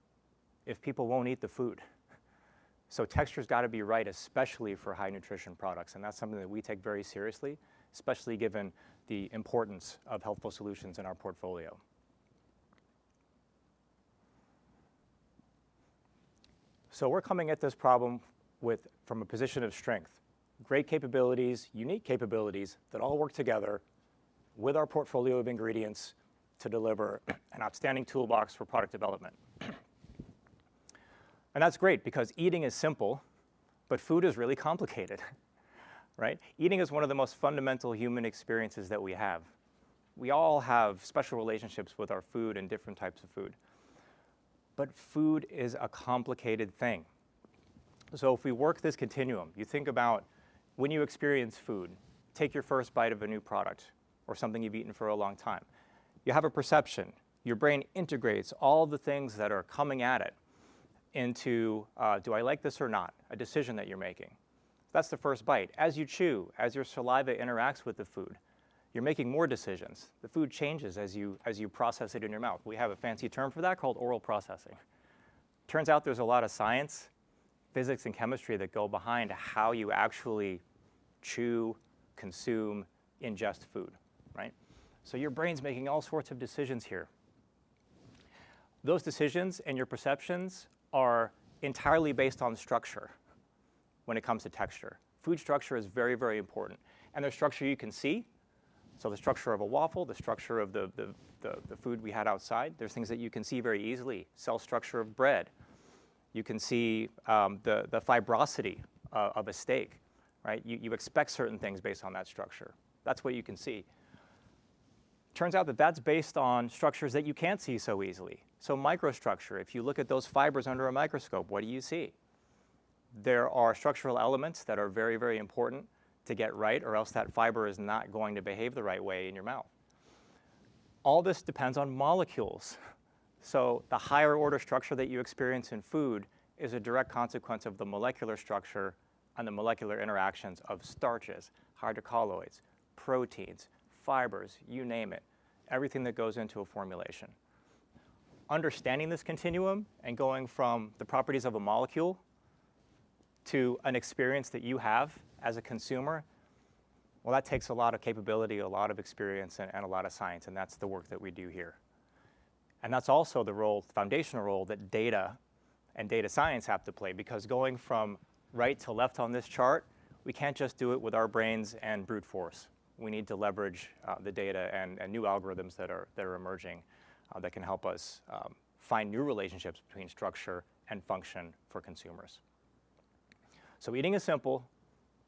B: if people won't eat the food so texture's got to be right, especially for high nutrition products and that's something that we take very seriously, especially given the importance of healthful solutions in our portfolio so we're coming at this problem from a position of strength, great capabilities, unique capabilities that all work together with our portfolio of ingredients to deliver an outstanding toolbox for product development. That's great because eating is simple, but food is really complicated. Eating is one of the most fundamental human experiences that we have. We all have special relationships with our food and different types of food. But food is a complicated thing. So if we work this continuum, you think about when you experience food, take your first bite of a new product or something you've eaten for a long time. You have a perception. Your brain integrates all the things that are coming at it into, "Do I like this or not?", a decision that you're making. That's the first bite. As you chew, as your saliva interacts with the food, you're making more decisions. The food changes as you process it in your mouth. We have a fancy term for that called oral processing. Turns out there's a lot of science, physics, and chemistry that go behind how you actually chew, consume, ingest food. So your brain's making all sorts of decisions here. Those decisions and your perceptions are entirely based on structure when it comes to texture. Food structure is very, very important, and there's structure you can see. The structure of a waffle, the structure of the food we had outside, there's things that you can see very easily. Cell structure of bread. You can see the fibrosity of a steak. You expect certain things based on that structure. That's what you can see. Turns out that that's based on structures that you can't see so easily. Microstructure, if you look at those fibers under a microscope, what do you see? There are structural elements that are very, very important to get right, or else that fiber is not going to behave the right way in your mouth. All this depends on molecules. So the higher order structure that you experience in food is a direct consequence of the molecular structure and the molecular interactions of starches, hydrocolloids, proteins, fibers, you name it, everything that goes into a formulation. Understanding this continuum and going from the properties of a molecule to an experience that you have as a consumer, well, that takes a lot of capability, a lot of experience, and a lot of science. And that's the work that we do here. And that's also the foundational role that data and data science have to play. Because going from right to left on this chart, we can't just do it with our brains and brute force. We need to leverage the data and new algorithms that are emerging that can help us find new relationships between structure and function for consumers. Eating is simple,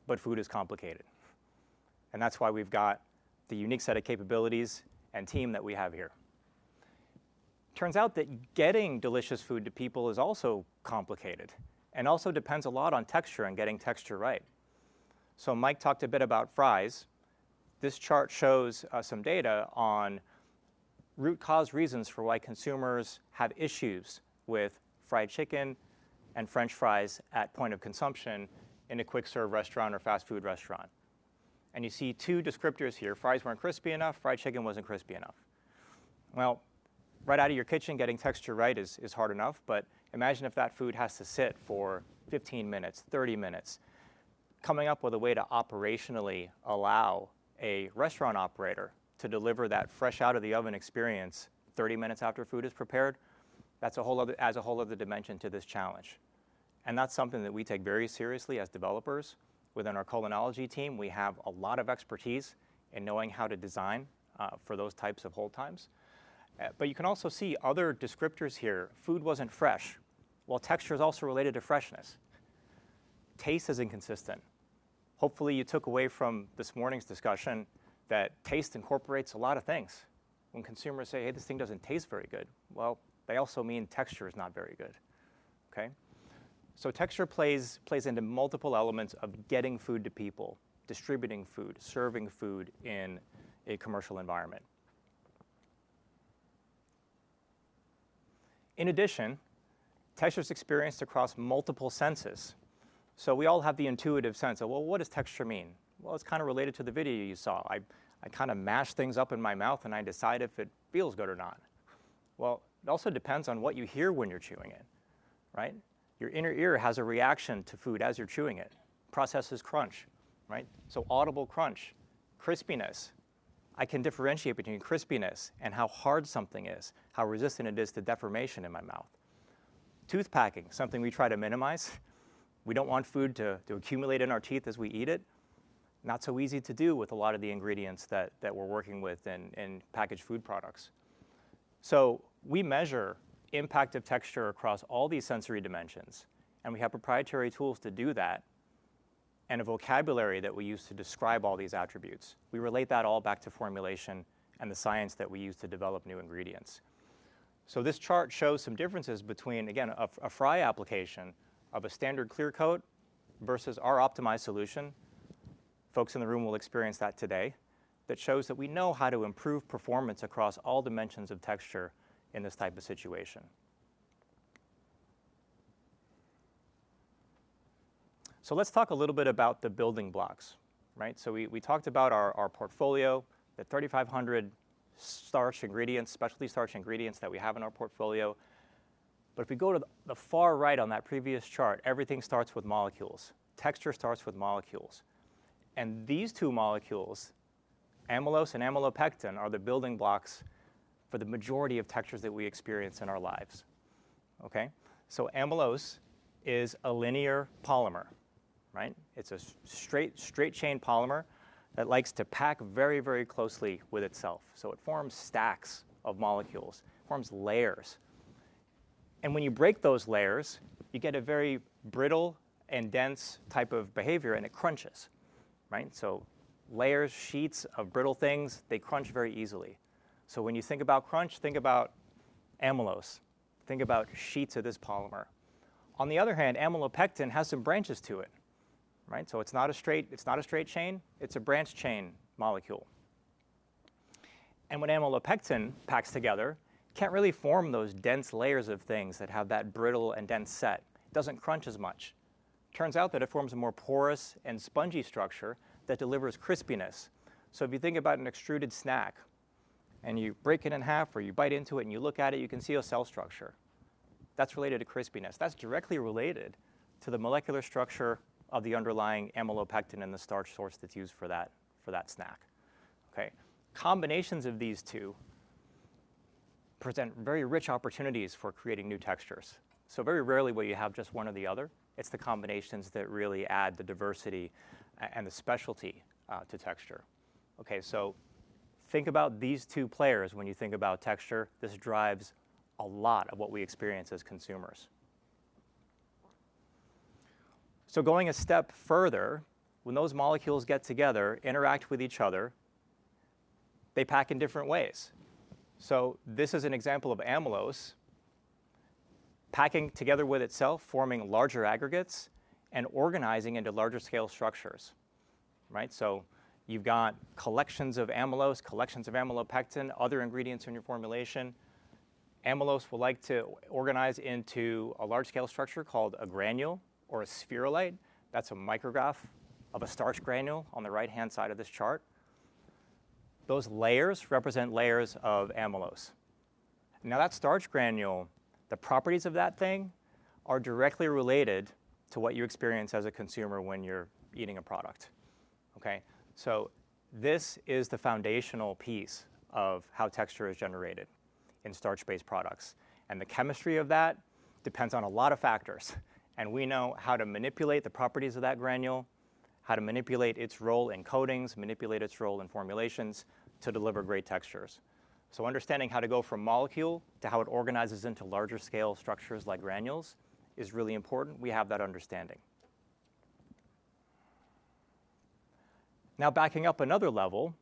B: but food is complicated. That's why we've got the unique set of capabilities and team that we have here. It turns out that getting delicious food to people is also complicated and also depends a lot on texture and getting texture right. Mike talked a bit about fries. This chart shows some data on root cause reasons for why consumers have issues with fried chicken and French fries at point of consumption in a quick-serve restaurant or fast food restaurant. You see two descriptors here. Fries weren't crispy enough. Fried chicken wasn't crispy enough. Right out of your kitchen, getting texture right is hard enough. But imagine if that food has to sit for 15 minutes, 30 minutes, coming up with a way to operationally allow a restaurant operator to deliver that fresh out of the oven experience 30 minutes after food is prepared. That's a whole other dimension to this challenge. And that's something that we take very seriously as developers. Within our Culinology team, we have a lot of expertise in knowing how to design for those types of hold times. But you can also see other descriptors here. Food wasn't fresh. Well, texture is also related to freshness. Taste is inconsistent. Hopefully, you took away from this morning's discussion that taste incorporates a lot of things. When consumers say, "Hey, this thing doesn't taste very good," well, they also mean texture is not very good. Texture plays into multiple elements of getting food to people, distributing food, serving food in a commercial environment. In addition, texture is experienced across multiple senses. We all have the intuitive sense of, "Well, what does texture mean?" Well, it's kind of related to the video you saw. I kind of mash things up in my mouth, and I decide if it feels good or not. Well, it also depends on what you hear when you're chewing it. Your inner ear has a reaction to food as you're chewing it. Processes crunch. Audible crunch, crispiness. I can differentiate between crispiness and how hard something is, how resistant it is to deformation in my mouth. Toothpacking, something we try to minimize. We don't want food to accumulate in our teeth as we eat it. Not so easy to do with a lot of the ingredients that we're working with in packaged food products. So we measure impact of texture across all these sensory dimensions. And we have proprietary tools to do that and a vocabulary that we use to describe all these attributes. We relate that all back to formulation and the science that we use to develop new ingredients. So this chart shows some differences between, again, a fry application of a standard clear coat versus our optimized solution. Folks in the room will experience that today. That shows that we know how to improve performance across all dimensions of texture in this type of situation. So let's talk a little bit about the building blocks. So we talked about our portfolio, the 3,500 specialty starch ingredients that we have in our portfolio. But if we go to the far right on that previous chart, everything starts with molecules. Texture starts with molecules. And these two molecules, amylose and amylopectin, are the building blocks for the majority of textures that we experience in our lives. So amylose is a linear polymer. It's a straight chain polymer that likes to pack very, very closely with itself. So it forms stacks of molecules, forms layers. And when you break those layers, you get a very brittle and dense type of behavior, and it crunches. So layers, sheets of brittle things, they crunch very easily. So when you think about crunch, think about amylose. Think about sheets of this polymer. On the other hand, amylopectin has some branches to it. So it's not a straight chain. It's a branched chain molecule. When amylopectin packs together, it can't really form those dense layers of things that have that brittle and dense set. It doesn't crunch as much. Turns out that it forms a more porous and spongy structure that delivers crispiness. If you think about an extruded snack and you break it in half or you bite into it and you look at it, you can see a cell structure. That's related to crispiness. That's directly related to the molecular structure of the underlying amylopectin in the starch source that's used for that snack. Combinations of these two present very rich opportunities for creating new textures. Very rarely will you have just one or the other. It's the combinations that really add the diversity and the specialty to texture. Think about these two players when you think about texture. This drives a lot of what we experience as consumers. So going a step further, when those molecules get together, interact with each other, they pack in different ways. So this is an example of amylose packing together with itself, forming larger aggregates and organizing into larger scale structures. So you've got collections of amylose, collections of amylopectin, other ingredients in your formulation. Amylose will like to organize into a large scale structure called a granule or a spherulite. That's a micrograph of a starch granule on the right-hand side of this chart. Those layers represent layers of amylose. Now, that starch granule, the properties of that thing are directly related to what you experience as a consumer when you're eating a product. So this is the foundational piece of how texture is generated in starch-based products. And the chemistry of that depends on a lot of factors. And we know how to manipulate the properties of that granule, how to manipulate its role in coatings, manipulate its role in formulations to deliver great textures. So understanding how to go from molecule to how it organizes into larger scale structures like granules is really important. We have that understanding. Now, backing up another level,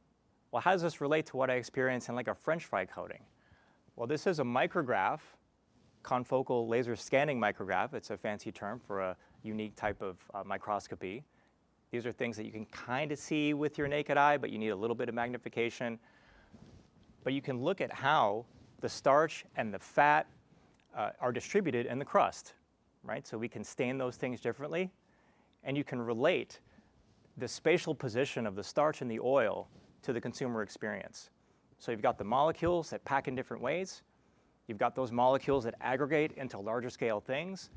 B: well, how does this relate to what I experience in a French fry coating? Well, this is a micrograph, confocal laser scanning micrograph. It's a fancy term for a unique type of microscopy. These are things that you can kind of see with your naked eye, but you need a little bit of magnification. But you can look at how the starch and the fat are distributed in the crust. So we can stain those things differently. And you can relate the spatial position of the starch and the oil to the consumer experience. You've got the molecules that pack in different ways. You've got those molecules that aggregate into larger scale things.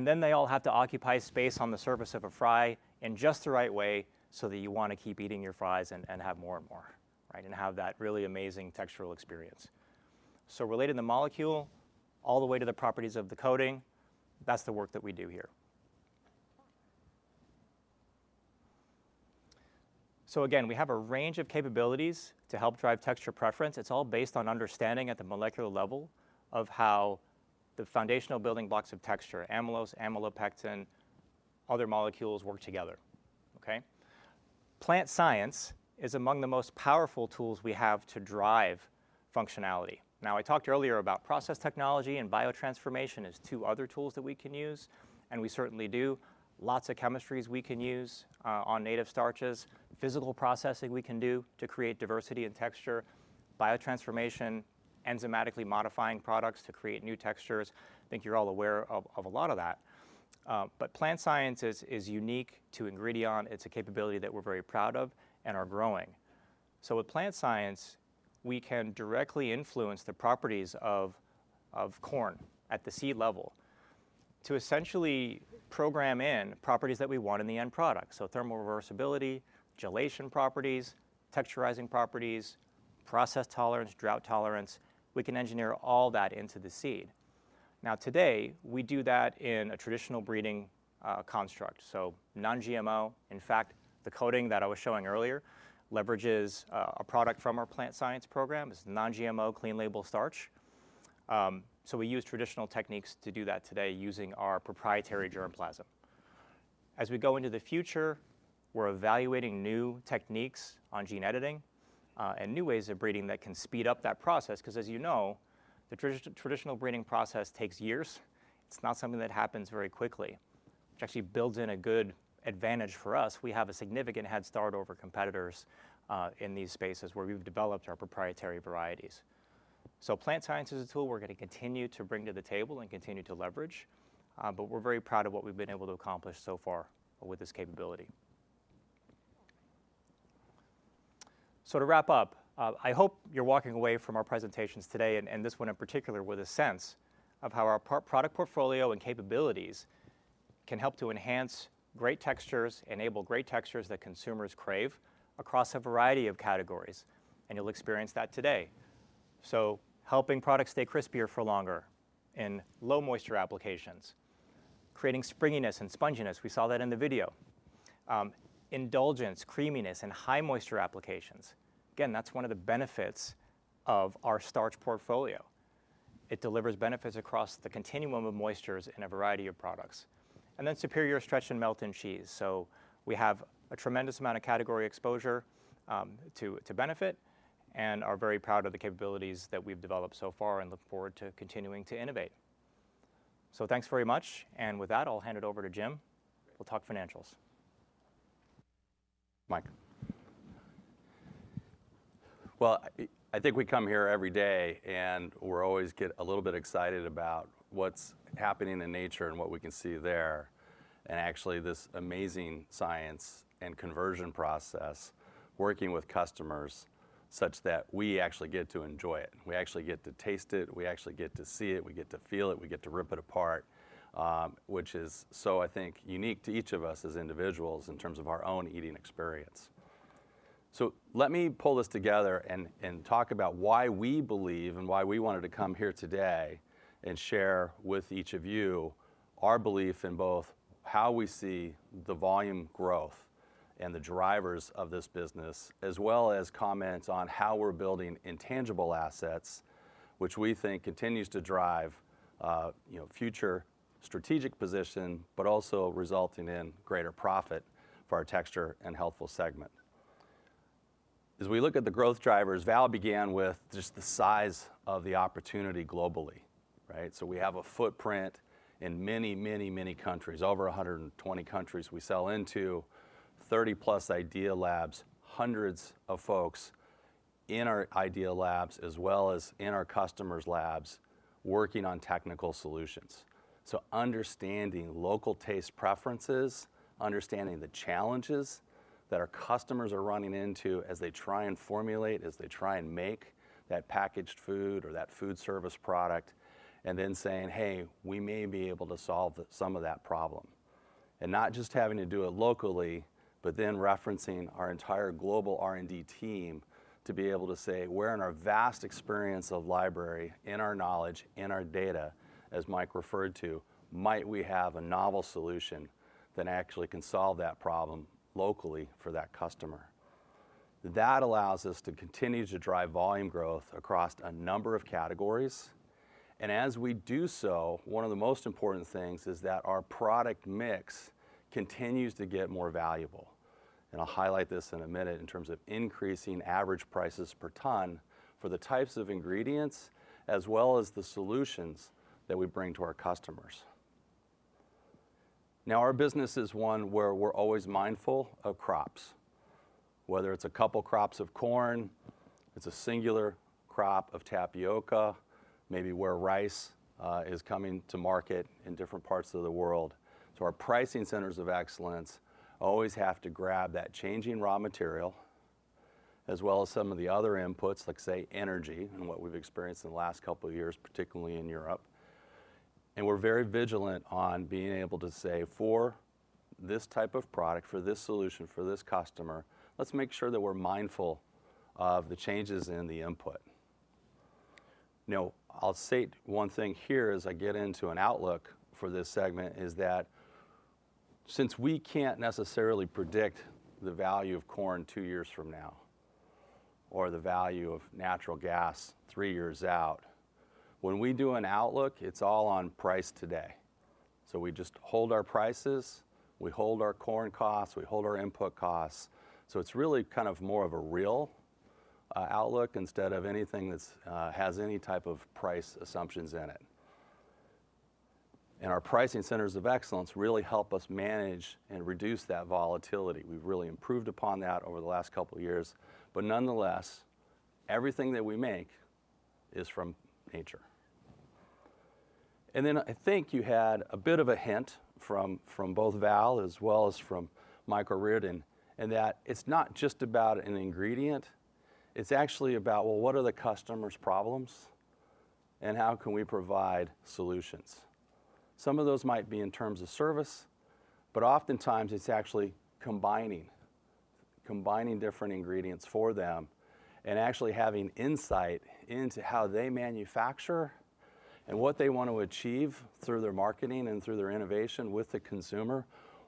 B: Then they all have to occupy space on the surface of a fry in just the right way so that you want to keep eating your fries and have more and more and have that really amazing textural experience. Relating the molecule all the way to the properties of the coating, that's the work that we do here. Again, we have a range of capabilities to help drive texture preference. It's all based on understanding at the molecular level of how the foundational building blocks of texture, amylose, amylopectin, other molecules work together. Plant science is among the most powerful tools we have to drive functionality. Now, I talked earlier about process technology and biotransformation as two other tools that we can use. We certainly do. Lots of chemistries we can use on native starches, physical processing we can do to create diversity in texture, biotransformation, enzymatically modifying products to create new textures. I think you're all aware of a lot of that. But plant science is unique to Ingredion. It's a capability that we're very proud of and are growing. So with plant science, we can directly influence the properties of corn at the seed level to essentially program in properties that we want in the end product. So thermal reversibility, gelation properties, texturizing properties, process tolerance, drought tolerance. We can engineer all that into the seed. Now, today, we do that in a traditional breeding construct. So non-GMO, in fact, the coating that I was showing earlier leverages a product from our plant science program. It's non-GMO clean label starch. So we use traditional techniques to do that today using our proprietary germplasm. As we go into the future, we're evaluating new techniques on gene editing and new ways of breeding that can speed up that process. Because as you know, the traditional breeding process takes years. It's not something that happens very quickly. It actually builds in a good advantage for us. We have a significant head start over competitors in these spaces where we've developed our proprietary varieties. So plant science is a tool we're going to continue to bring to the table and continue to leverage. But we're very proud of what we've been able to accomplish so far with this capability. So to wrap up, I hope you're walking away from our presentations today and this one in particular with a sense of how our product portfolio and capabilities can help to enhance great textures, enable great textures that consumers crave across a variety of categories. And you'll experience that today. So helping products stay crispier for longer in low moisture applications, creating springiness and sponginess. We saw that in the video. Indulgence, creaminess, and high moisture applications. Again, that's one of the benefits of our starch portfolio. It delivers benefits across the continuum of moistures in a variety of products. And then superior stretch and melt and cheese. So we have a tremendous amount of category exposure to benefit and are very proud of the capabilities that we've developed so far and look forward to continuing to innovate. So thanks very much. And with that, I'll hand it over to Jim. We'll talk financials. Mike.
F: I think we come here every day, and we're always a little bit excited about what's happening in nature and what we can see there and actually this amazing science and conversion process working with customers such that we actually get to enjoy it. We actually get to taste it. We actually get to see it. We get to feel it. We get to rip it apart, which is so, I think, unique to each of us as individuals in terms of our own eating experience. So let me pull this together and talk about why we believe and why we wanted to come here today and share with each of you our belief in both how we see the volume growth and the drivers of this business, as well as comments on how we're building intangible assets, which we think continues to drive future strategic position, but also resulting in greater profit for our Texture and Healthful segment. As we look at the growth drivers, Val began with just the size of the opportunity globally. So we have a footprint in many, many, many countries, over 120 countries we sell into, 30 plus Idea Labs, hundreds of folks in our Idea Labs, as well as in our customers' labs working on technical solutions. Understanding local taste preferences, understanding the challenges that our customers are running into as they try and formulate, as they try and make that packaged food or that food service product, and then saying, "Hey, we may be able to solve some of that problem," and not just having to do it locally, but then referencing our entire global R&D team to be able to say, "We're in our vast experience of library, in our knowledge, in our data," as Mike referred to, "might we have a novel solution that actually can solve that problem locally for that customer." That allows us to continue to drive volume growth across a number of categories, and as we do so, one of the most important things is that our product mix continues to get more valuable. And I'll highlight this in a minute in terms of increasing average prices per ton for the types of ingredients, as well as the solutions that we bring to our customers. Now, our business is one where we're always mindful of crops, whether it's a couple crops of corn, it's a singular crop of tapioca, maybe where rice is coming to market in different parts of the world. So our pricing centers of excellence always have to grab that changing raw material, as well as some of the other inputs, like say, energy and what we've experienced in the last couple of years, particularly in Europe. We're very vigilant on being able to say, "For this type of product, for this solution, for this customer, let's make sure that we're mindful of the changes in the input." Now, I'll say one thing here as I get into an outlook for this segment is that since we can't necessarily predict the value of corn two years from now or the value of natural gas three years out, when we do an outlook, it's all on price today. So we just hold our prices. We hold our corn costs. We hold our input costs. So it's really kind of more of a real outlook instead of anything that has any type of price assumptions in it. And our pricing centers of excellence really help us manage and reduce that volatility. We've really improved upon that over the last couple of years. But nonetheless, everything that we make is from nature. And then I think you had a bit of a hint from both Val as well as from Mike O'Riordan in that it's not just about an ingredient. It's actually about, well, what are the customer's problems and how can we provide solutions? Some of those might be in terms of service, but oftentimes it's actually combining different ingredients for them and actually having insight into how they manufacture and what they want to achieve through their marketing and through their innovation with the consumer.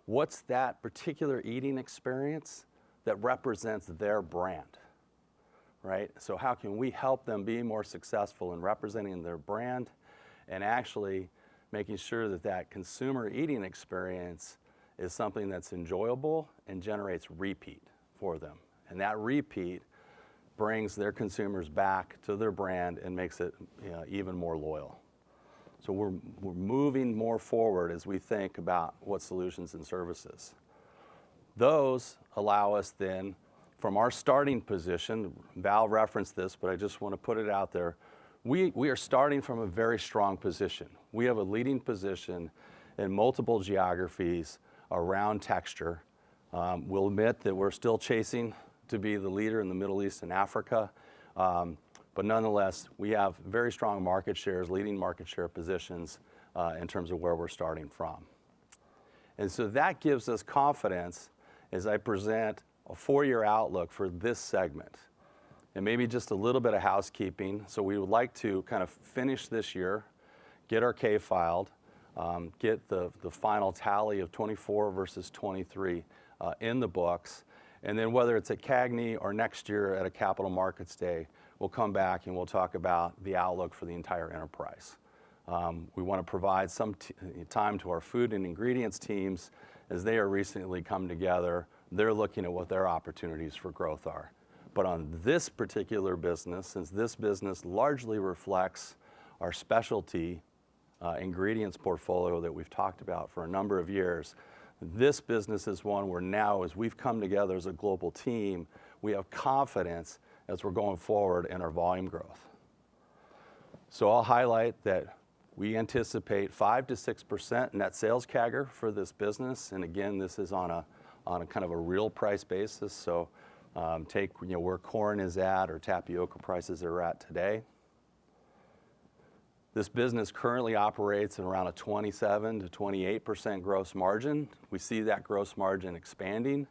F: What's that particular eating experience that represents their brand? So how can we help them be more successful in representing their brand and actually making sure that that consumer eating experience is something that's enjoyable and generates repeat for them? And that repeat brings their consumers back to their brand and makes it even more loyal. So, we're moving more forward as we think about what solutions and services those allow us then, from our starting position. Val referenced this, but I just want to put it out there. We are starting from a very strong position. We have a leading position in multiple geographies around texture. We'll admit that we're still chasing to be the leader in the Middle East and Africa, but nonetheless, we have very strong market shares, leading market share positions in terms of where we're starting from, and so that gives us confidence as I present a four-year outlook for this segment, and maybe just a little bit of housekeeping, so we would like to kind of finish this year, get our K filed, get the final tally of 2024 versus 2023 in the books. Then whether it's at CAGNY or next year at a Capital Markets Day, we'll come back and we'll talk about the outlook for the entire enterprise. We want to provide some time to our food and ingredients teams as they are recently coming together. They're looking at what their opportunities for growth are. But on this particular business, since this business largely reflects our specialty ingredients portfolio that we've talked about for a number of years, this business is one where now, as we've come together as a global team, we have confidence as we're going forward in our volume growth. So I'll highlight that we anticipate 5%-6% net sales CAGR for this business. And again, this is on a kind of a real price basis. So take where corn is at or tapioca prices are at today. This business currently operates at around a 27%-28% gross margin. We see that gross margin expanding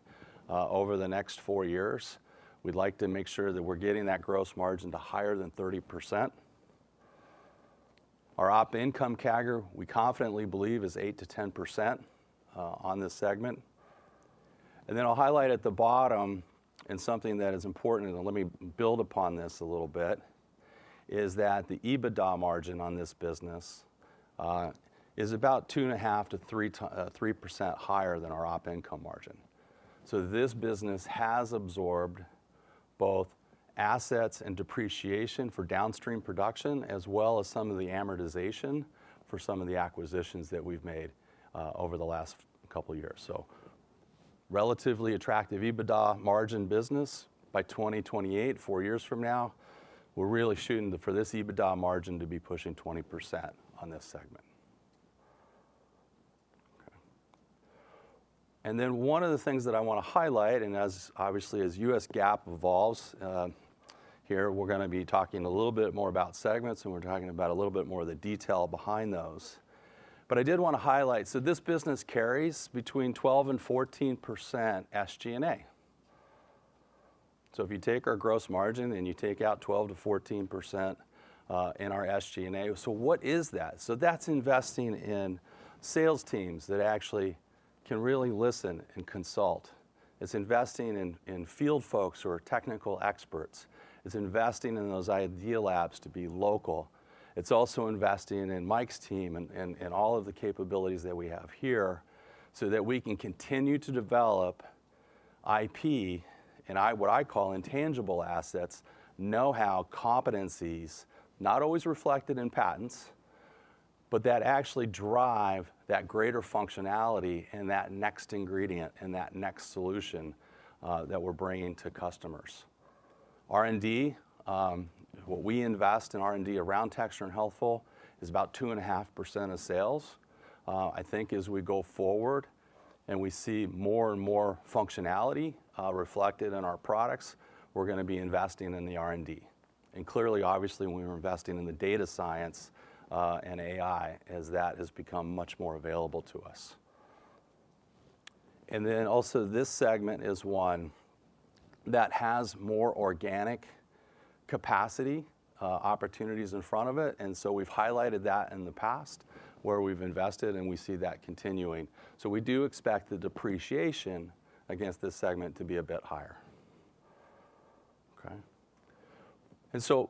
F: over the next four years. We'd like to make sure that we're getting that gross margin to higher than 30%. Our op income CAGR, we confidently believe, is 8%-10% on this segment. And then I'll highlight at the bottom and something that is important, and let me build upon this a little bit, is that the EBITDA margin on this business is about 2.5%-3% higher than our op income margin. So this business has absorbed both assets and depreciation for downstream production, as well as some of the amortization for some of the acquisitions that we've made over the last couple of years. So relatively attractive EBITDA margin business by 2028, four years from now, we're really shooting for this EBITDA margin to be pushing 20% on this segment. And then one of the things that I want to highlight, and obviously as U.S. GAAP evolves here, we're going to be talking a little bit more about segments, and we're talking about a little bit more of the detail behind those. But I did want to highlight, so this business carries between 12% and 14% SG&A. So if you take our gross margin and you take out 12%-14% in our SG&A, so what is that? So that's investing in sales teams that actually can really listen and consult. It's investing in field folks who are technical experts. It's investing in those Idea Labs to be local. It's also investing in Mike's team and all of the capabilities that we have here so that we can continue to develop IP and what I call intangible assets, know-how, competencies, not always reflected in patents, but that actually drive that greater functionality and that next ingredient and that next solution that we're bringing to customers. R&D, what we invest in R&D around Texture and Healthful is about 2.5% of sales. I think as we go forward and we see more and more functionality reflected in our products, we're going to be investing in the R&D. Clearly, obviously, we're investing in the data science and AI as that has become much more available to us. Then also this segment is one that has more organic capacity opportunities in front of it. We've highlighted that in the past where we've invested, and we see that continuing. So we do expect the depreciation against this segment to be a bit higher. And so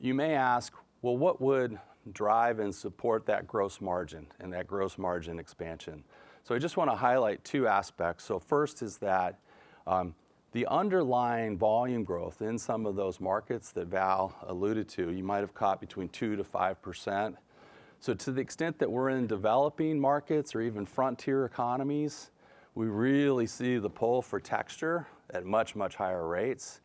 F: you may ask, well, what would drive and support that gross margin and that gross margin expansion? So I just want to highlight two aspects. So first is that the underlying volume growth in some of those markets that Val alluded to, you might have caught between 2%-5%. So to the extent that we're in developing markets or even frontier economies, we really see the pull for texture at much, much higher rates.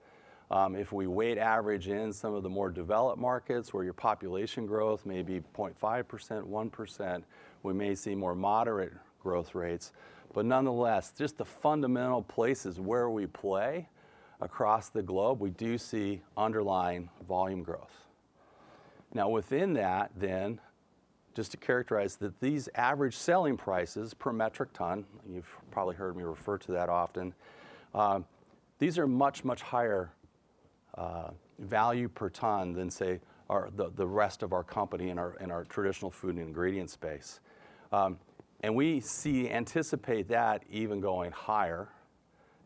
F: If we weight average in some of the more developed markets where your population growth may be 0.5%, 1%, we may see more moderate growth rates. But nonetheless, just the fundamental places where we play across the globe, we do see underlying volume growth. Now, within that, then just to characterize that these average selling prices per metric ton, you've probably heard me refer to that often, these are much, much higher value per ton than say the rest of our company in our traditional food and ingredient space, and we see, anticipate that even going higher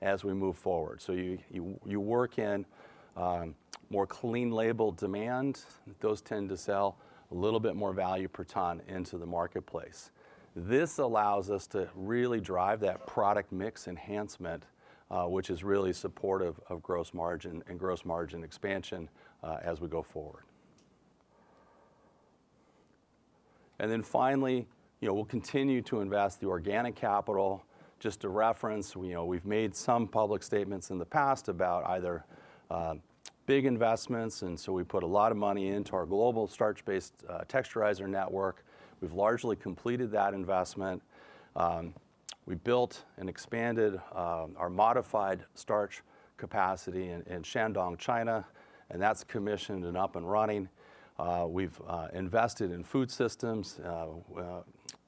F: as we move forward, so you work in more clean label demand. Those tend to sell a little bit more value per ton into the marketplace. This allows us to really drive that product mix enhancement, which is really supportive of gross margin and gross margin expansion as we go forward, and then finally, we'll continue to invest the organic capital. Just to reference, we've made some public statements in the past about either big investments, and so we put a lot of money into our global starch-based texturizer network. We've largely completed that investment. We built and expanded our modified starch capacity in Shandong, China, and that's commissioned and up and running. We've invested in Food Systems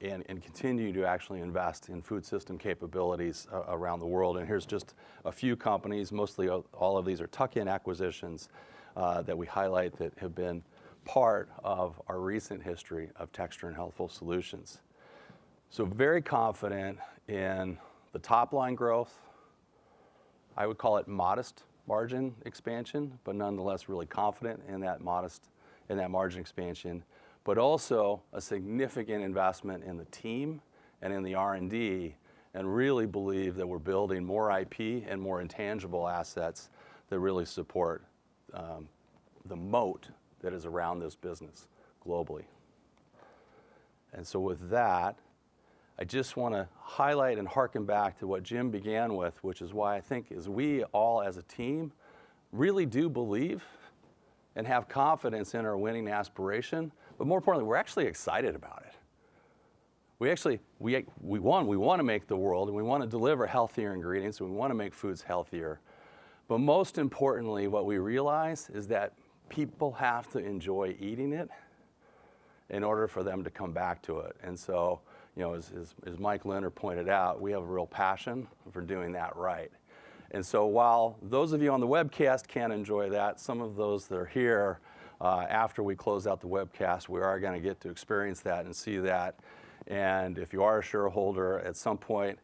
F: and continue to actually invest in Food Systems capabilities around the world. And here's just a few companies, mostly all of these are tuck-in acquisitions that we highlight that have been part of our recent history of Texture and Healthful Solutions. So very confident in the top line growth. I would call it modest margin expansion, but nonetheless really confident in that modest and that margin expansion, but also a significant investment in the team and in the R&D and really believe that we're building more IP and more intangible assets that really support the moat that is around this business globally. With that, I just want to highlight and hearken back to what Jim began with, which is why I think as we all as a team really do believe and have confidence in our winning aspiration, but more importantly, we're actually excited about it. We want to make the world, and we want to deliver healthier ingredients, and we want to make foods healthier. But most importantly, what we realize is that people have to enjoy eating it in order for them to come back to it. And so as Mike Leonard pointed out, we have a real passion for doing that right. And so while those of you on the webcast can enjoy that, some of those that are here after we close out the webcast, we are going to get to experience that and see that. And if you are a shareholder, at some point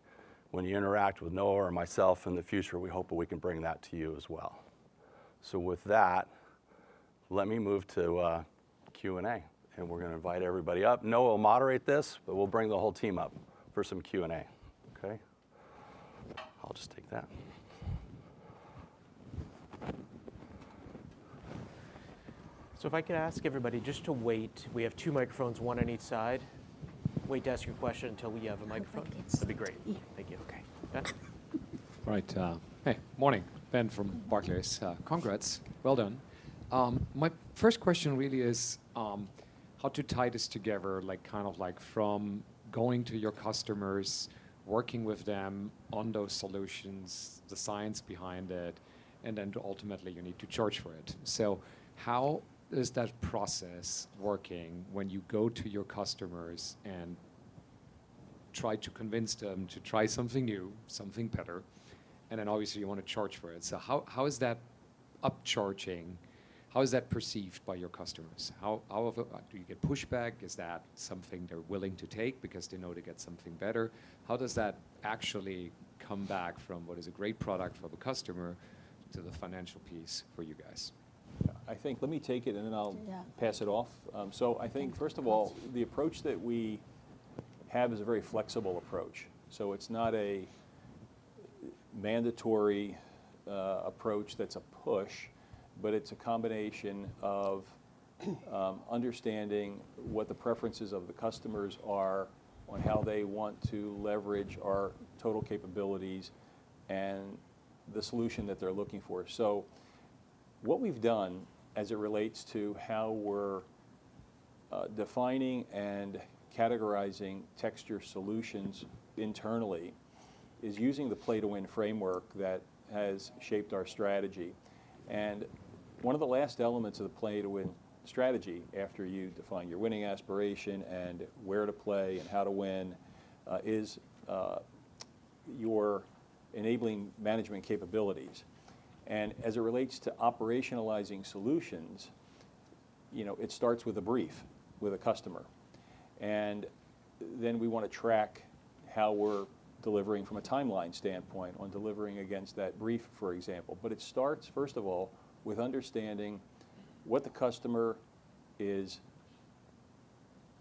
F: when you interact with Noah or myself in the future, we hope that we can bring that to you as well. So with that, let me move to Q&A, and we're going to invite everybody up. Noah will moderate this, but we'll bring the whole team up for some Q&A.
A: I'll just take that. So if I could ask everybody just to wait. We have two microphones, one on each side. Wait to ask your question until we have a microphone.
G: It's good.
B: That'd be great.
G: Yeah.
B: Thank you. Okay.
G: All right. Hey, morning. Ben from Barclays. Congrats. Well done. My first question really is how to tie this together, kind of like from going to your customers, working with them on those solutions, the science behind it, and then ultimately you need to charge for it. So how is that process working when you go to your customers and try to convince them to try something new, something better, and then obviously you want to charge for it? So how is that upcharging? How is that perceived by your customers? Do you get pushback? Is that something they're willing to take because they know to get something better? How does that actually come back from what is a great product for the customer to the financial piece for you guys?
B: I think, let me take it, and then I'll pass it off. So I think first of all, the approach that we have is a very flexible approach. So it's not a mandatory approach that's a push, but it's a combination of understanding what the preferences of the customers are on how they want to leverage our total capabilities and the solution that they're looking for. So what we've done as it relates to how we're defining and categorizing texture solutions internally is using the Play-to-Win framework that has shaped our strategy. And one of the last elements of the Play-to-Win strategy after you define your winning aspiration and where to play and how to win is your enabling management capabilities. And as it relates to operationalizing solutions, it starts with a brief with a customer. And then we want to track how we're delivering from a timeline standpoint on delivering against that brief, for example. But it starts, first of all, with understanding what the customer is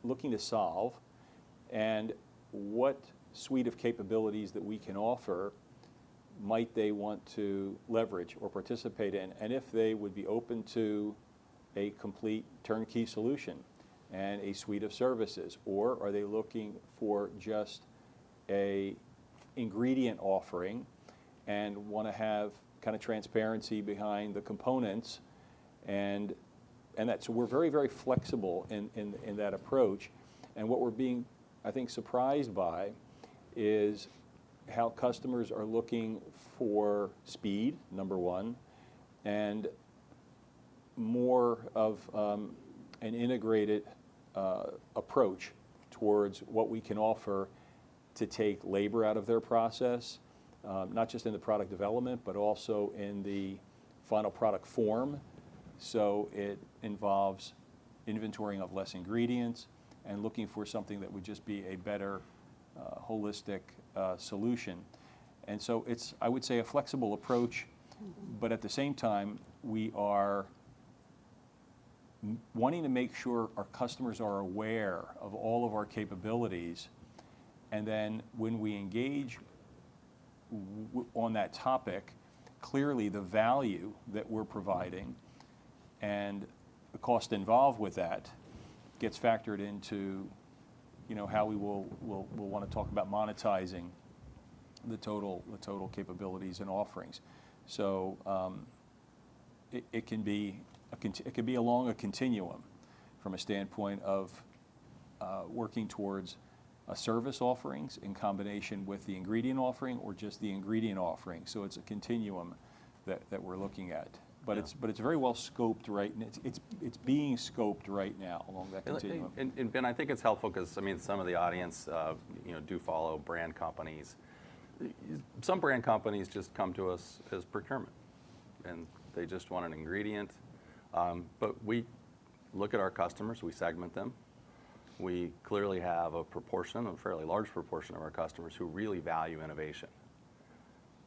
B: looking to solve and what suite of capabilities that we can offer might they want to leverage or participate in, and if they would be open to a complete turnkey solution and a suite of services, or are they looking for just an ingredient offering and want to have kind of transparency behind the components. And so we're very, very flexible in that approach. And what we're being, I think, surprised by is how customers are looking for speed, number one, and more of an integrated approach towards what we can offer to take labor out of their process, not just in the product development, but also in the final product form. It involves inventorying of less ingredients and looking for something that would just be a better holistic solution. It's, I would say, a flexible approach, but at the same time, we are wanting to make sure our customers are aware of all of our capabilities. Then when we engage on that topic, clearly the value that we're providing and the cost involved with that gets factored into how we will want to talk about monetizing the total capabilities and offerings. It can be along a continuum from a standpoint of working towards service offerings in combination with the ingredient offering or just the ingredient offering. It's a continuum that we're looking at, but it's very well scoped right now. It's being scoped right now along that continuum.
D: And Ben, I think it's helpful because some of the audience do follow brand companies. Some brand companies just come to us as procurement, and they just want an ingredient. But we look at our customers. We segment them. We clearly have a proportion, a fairly large proportion of our customers who really value innovation.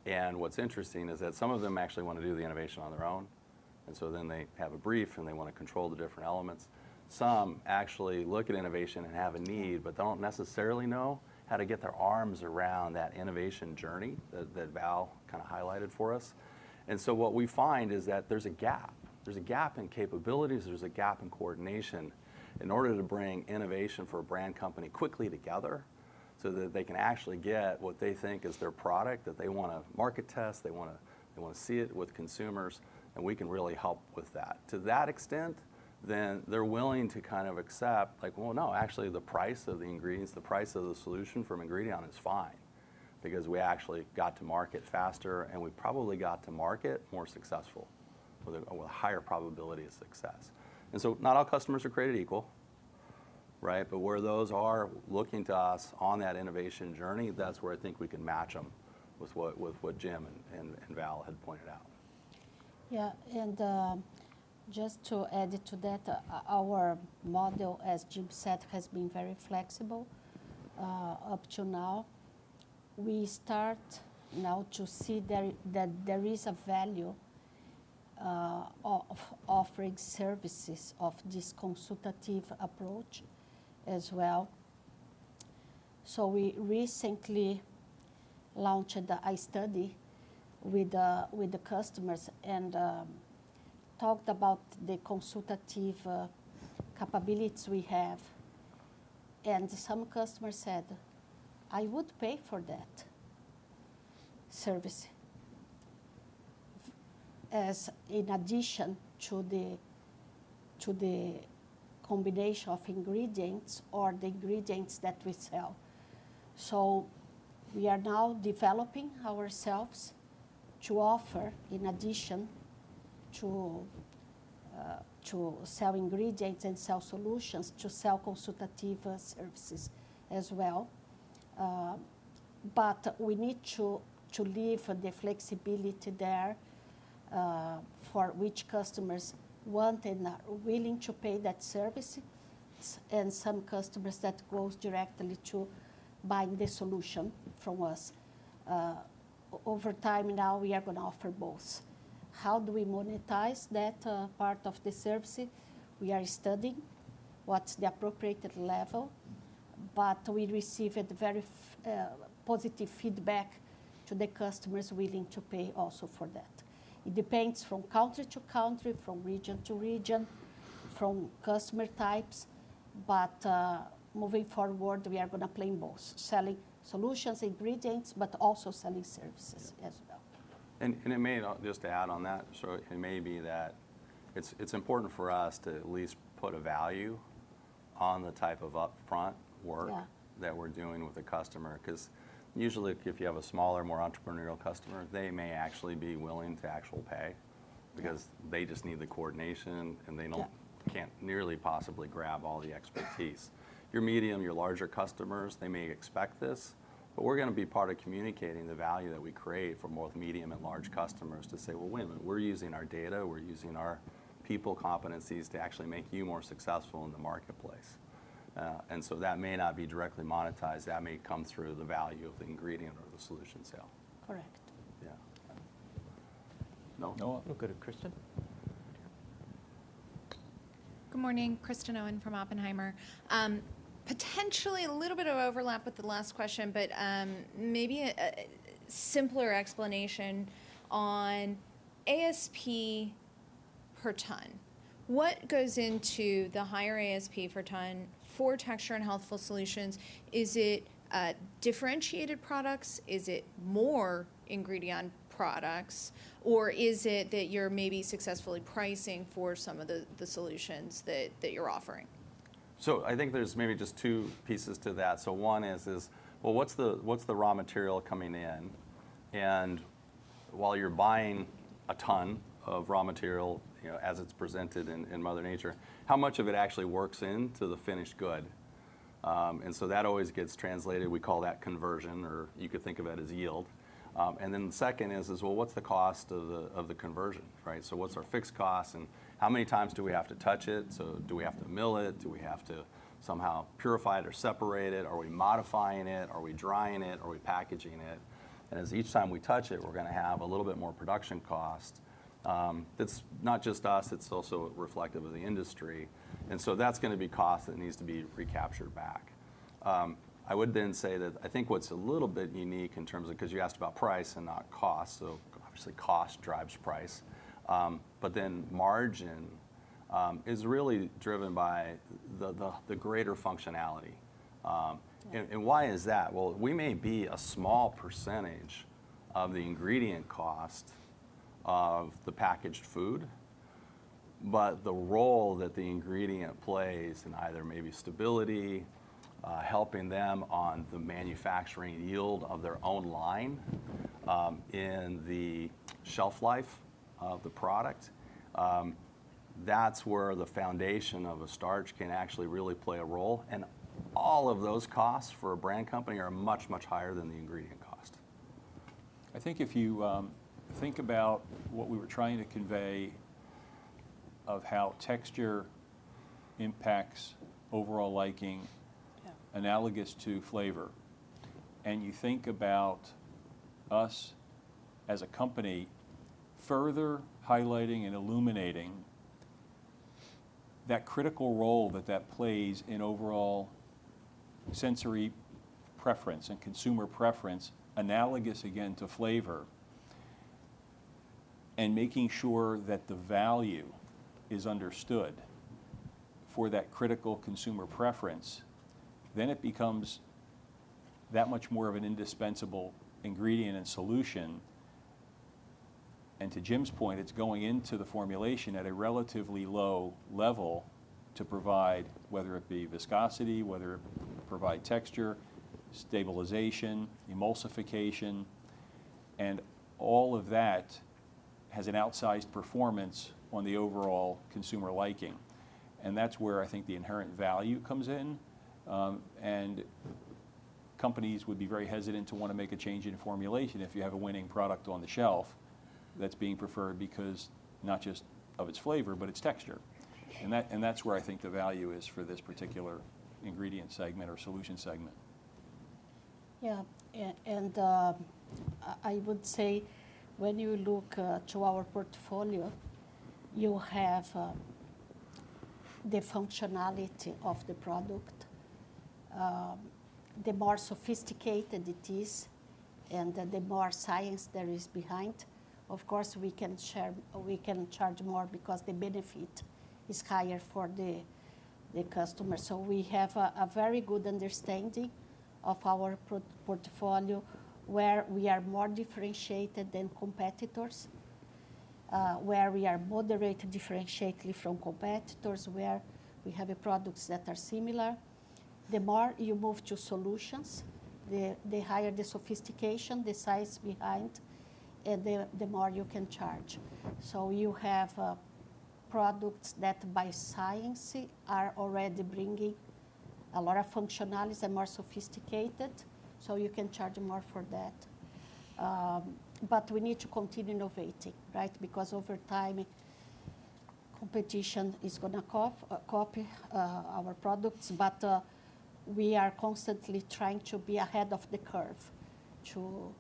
D: And what's interesting is that some of them actually want to do the innovation on their own. And so then they have a brief, and they want to control the different elements. Some actually look at innovation and have a need, but don't necessarily know how to get their arms around that innovation journey that Val kind of highlighted for us. And so what we find is that there's a gap. There's a gap in capabilities. There's a gap in coordination in order to bring innovation for a brand company quickly together so that they can actually get what they think is their product that they want to market test. They want to see it with consumers, and we can really help with that. To that extent, then they're willing to kind of accept, like, well, no, actually the price of the ingredients, the price of the solution from Ingredion is fine because we actually got to market faster, and we probably got to market more successful with a higher probability of success. And so not all customers are created equal, but where those are looking to us on that innovation journey, that's where I think we can match them with what Jim and Val had pointed out.
C: Yeah. And just to add to that, our model, as Jim said, has been very flexible up to now. We start now to see that there is a value offering services of this consultative approach as well. So we recently launched a study with the customers and talked about the consultative capabilities we have. And some customers said, "I would pay for that service in addition to the combination of ingredients or the ingredients that we sell." So we are now developing ourselves to offer, in addition to selling ingredients and sell solutions, to sell consultative services as well. But we need to leave the flexibility there for which customers want and are willing to pay that service, and some customers that go directly to buying the solution from us. Over time now, we are going to offer both. How do we monetize that part of the service? We are studying what's the appropriate level, but we received very positive feedback to the customers willing to pay also for that. It depends from country to country, from region to region, from customer types but moving forward, we are going to play in both selling solutions, ingredients, but also selling services as well.
B: And I may just add on that. So it may be that it's important for us to at least put a value on the type of upfront work that we're doing with the customer because usually if you have a smaller, more entrepreneurial customer, they may actually be willing to actually pay because they just need the coordination, and they can't nearly possibly grab all the expertise. Your medium, your larger customers, they may expect this, but we're going to be part of communicating the value that we create for both medium and large customers to say, "Well, wait a minute. We're using our data. We're using our people competencies to actually make you more successful in the marketplace." And so that may not be directly monetized. That may come through the value of the ingredient or the solution sale.
C: Correct.
B: Yeah.
E: Noah?
B: Noah?
A: We'll go to Kristen.
H: Good morning. Kristen Owen from Oppenheimer. Potentially a little bit of overlap with the last question, but maybe a simpler explanation on ASP per ton. What goes into the higher ASP per ton for Texture and Healthful Solutions? Is it differentiated products? Is it more ingredient products? Or is it that you're maybe successfully pricing for some of the solutions that you're offering?
B: I think there's maybe just two pieces to that. One is, well, what's the raw material coming in? And while you're buying a ton of raw material as it's presented in Mother Nature, how much of it actually works into the finished good? That always gets translated. We call that conversion, or you could think of it as yield. The second is, well, what's the cost of the conversion? What's our fixed cost? And how many times do we have to touch it? Do we have to mill it? Do we have to somehow purify it or separate it? Are we modifying it? Are we drying it? Are we packaging it? And each time we touch it, we're going to have a little bit more production cost. It's not just us. It's also reflective of the industry. And so that's going to be cost that needs to be recaptured back. I would then say that I think what's a little bit unique in terms of because you asked about price and not cost. So obviously cost drives price. But then margin is really driven by the greater functionality. And why is that? Well, we may be a small percentage of the ingredient cost of the packaged food, but the role that the ingredient plays in either maybe stability, helping them on the manufacturing yield of their own line, in the shelf life of the product, that's where the foundation of a starch can actually really play a role. And all of those costs for a brand company are much, much higher than the ingredient cost.
D: I think if you think about what we were trying to convey of how texture impacts overall liking analogous to flavor, and you think about us as a company further highlighting and illuminating that critical role that that plays in overall sensory preference and consumer preference analogous again to flavor, and making sure that the value is understood for that critical consumer preference, then it becomes that much more of an indispensable ingredient and solution. And to Jim's point, it's going into the formulation at a relatively low level to provide whether it be viscosity, whether it provide texture, stabilization, emulsification, and all of that has an outsized performance on the overall consumer liking. And that's where I think the inherent value comes in. Companies would be very hesitant to want to make a change in formulation if you have a winning product on the shelf that's being preferred because not just of its flavor, but its texture. That's where I think the value is for this particular ingredient segment or solution segment.
C: Yeah. And I would say when you look to our portfolio, you have the functionality of the product. The more sophisticated it is and the more science there is behind, of course, we can charge more because the benefit is higher for the customer. So we have a very good understanding of our portfolio where we are more differentiated than competitors, where we are moderately differentiated from competitors, where we have products that are similar. The more you move to solutions, the higher the sophistication, the science behind, and the more you can charge. So you have products that by science are already bringing a lot of functionality and more sophisticated, so you can charge more for that. But we need to continue innovating because over time, competition is going to copy our products, but we are constantly trying to be ahead of the curve to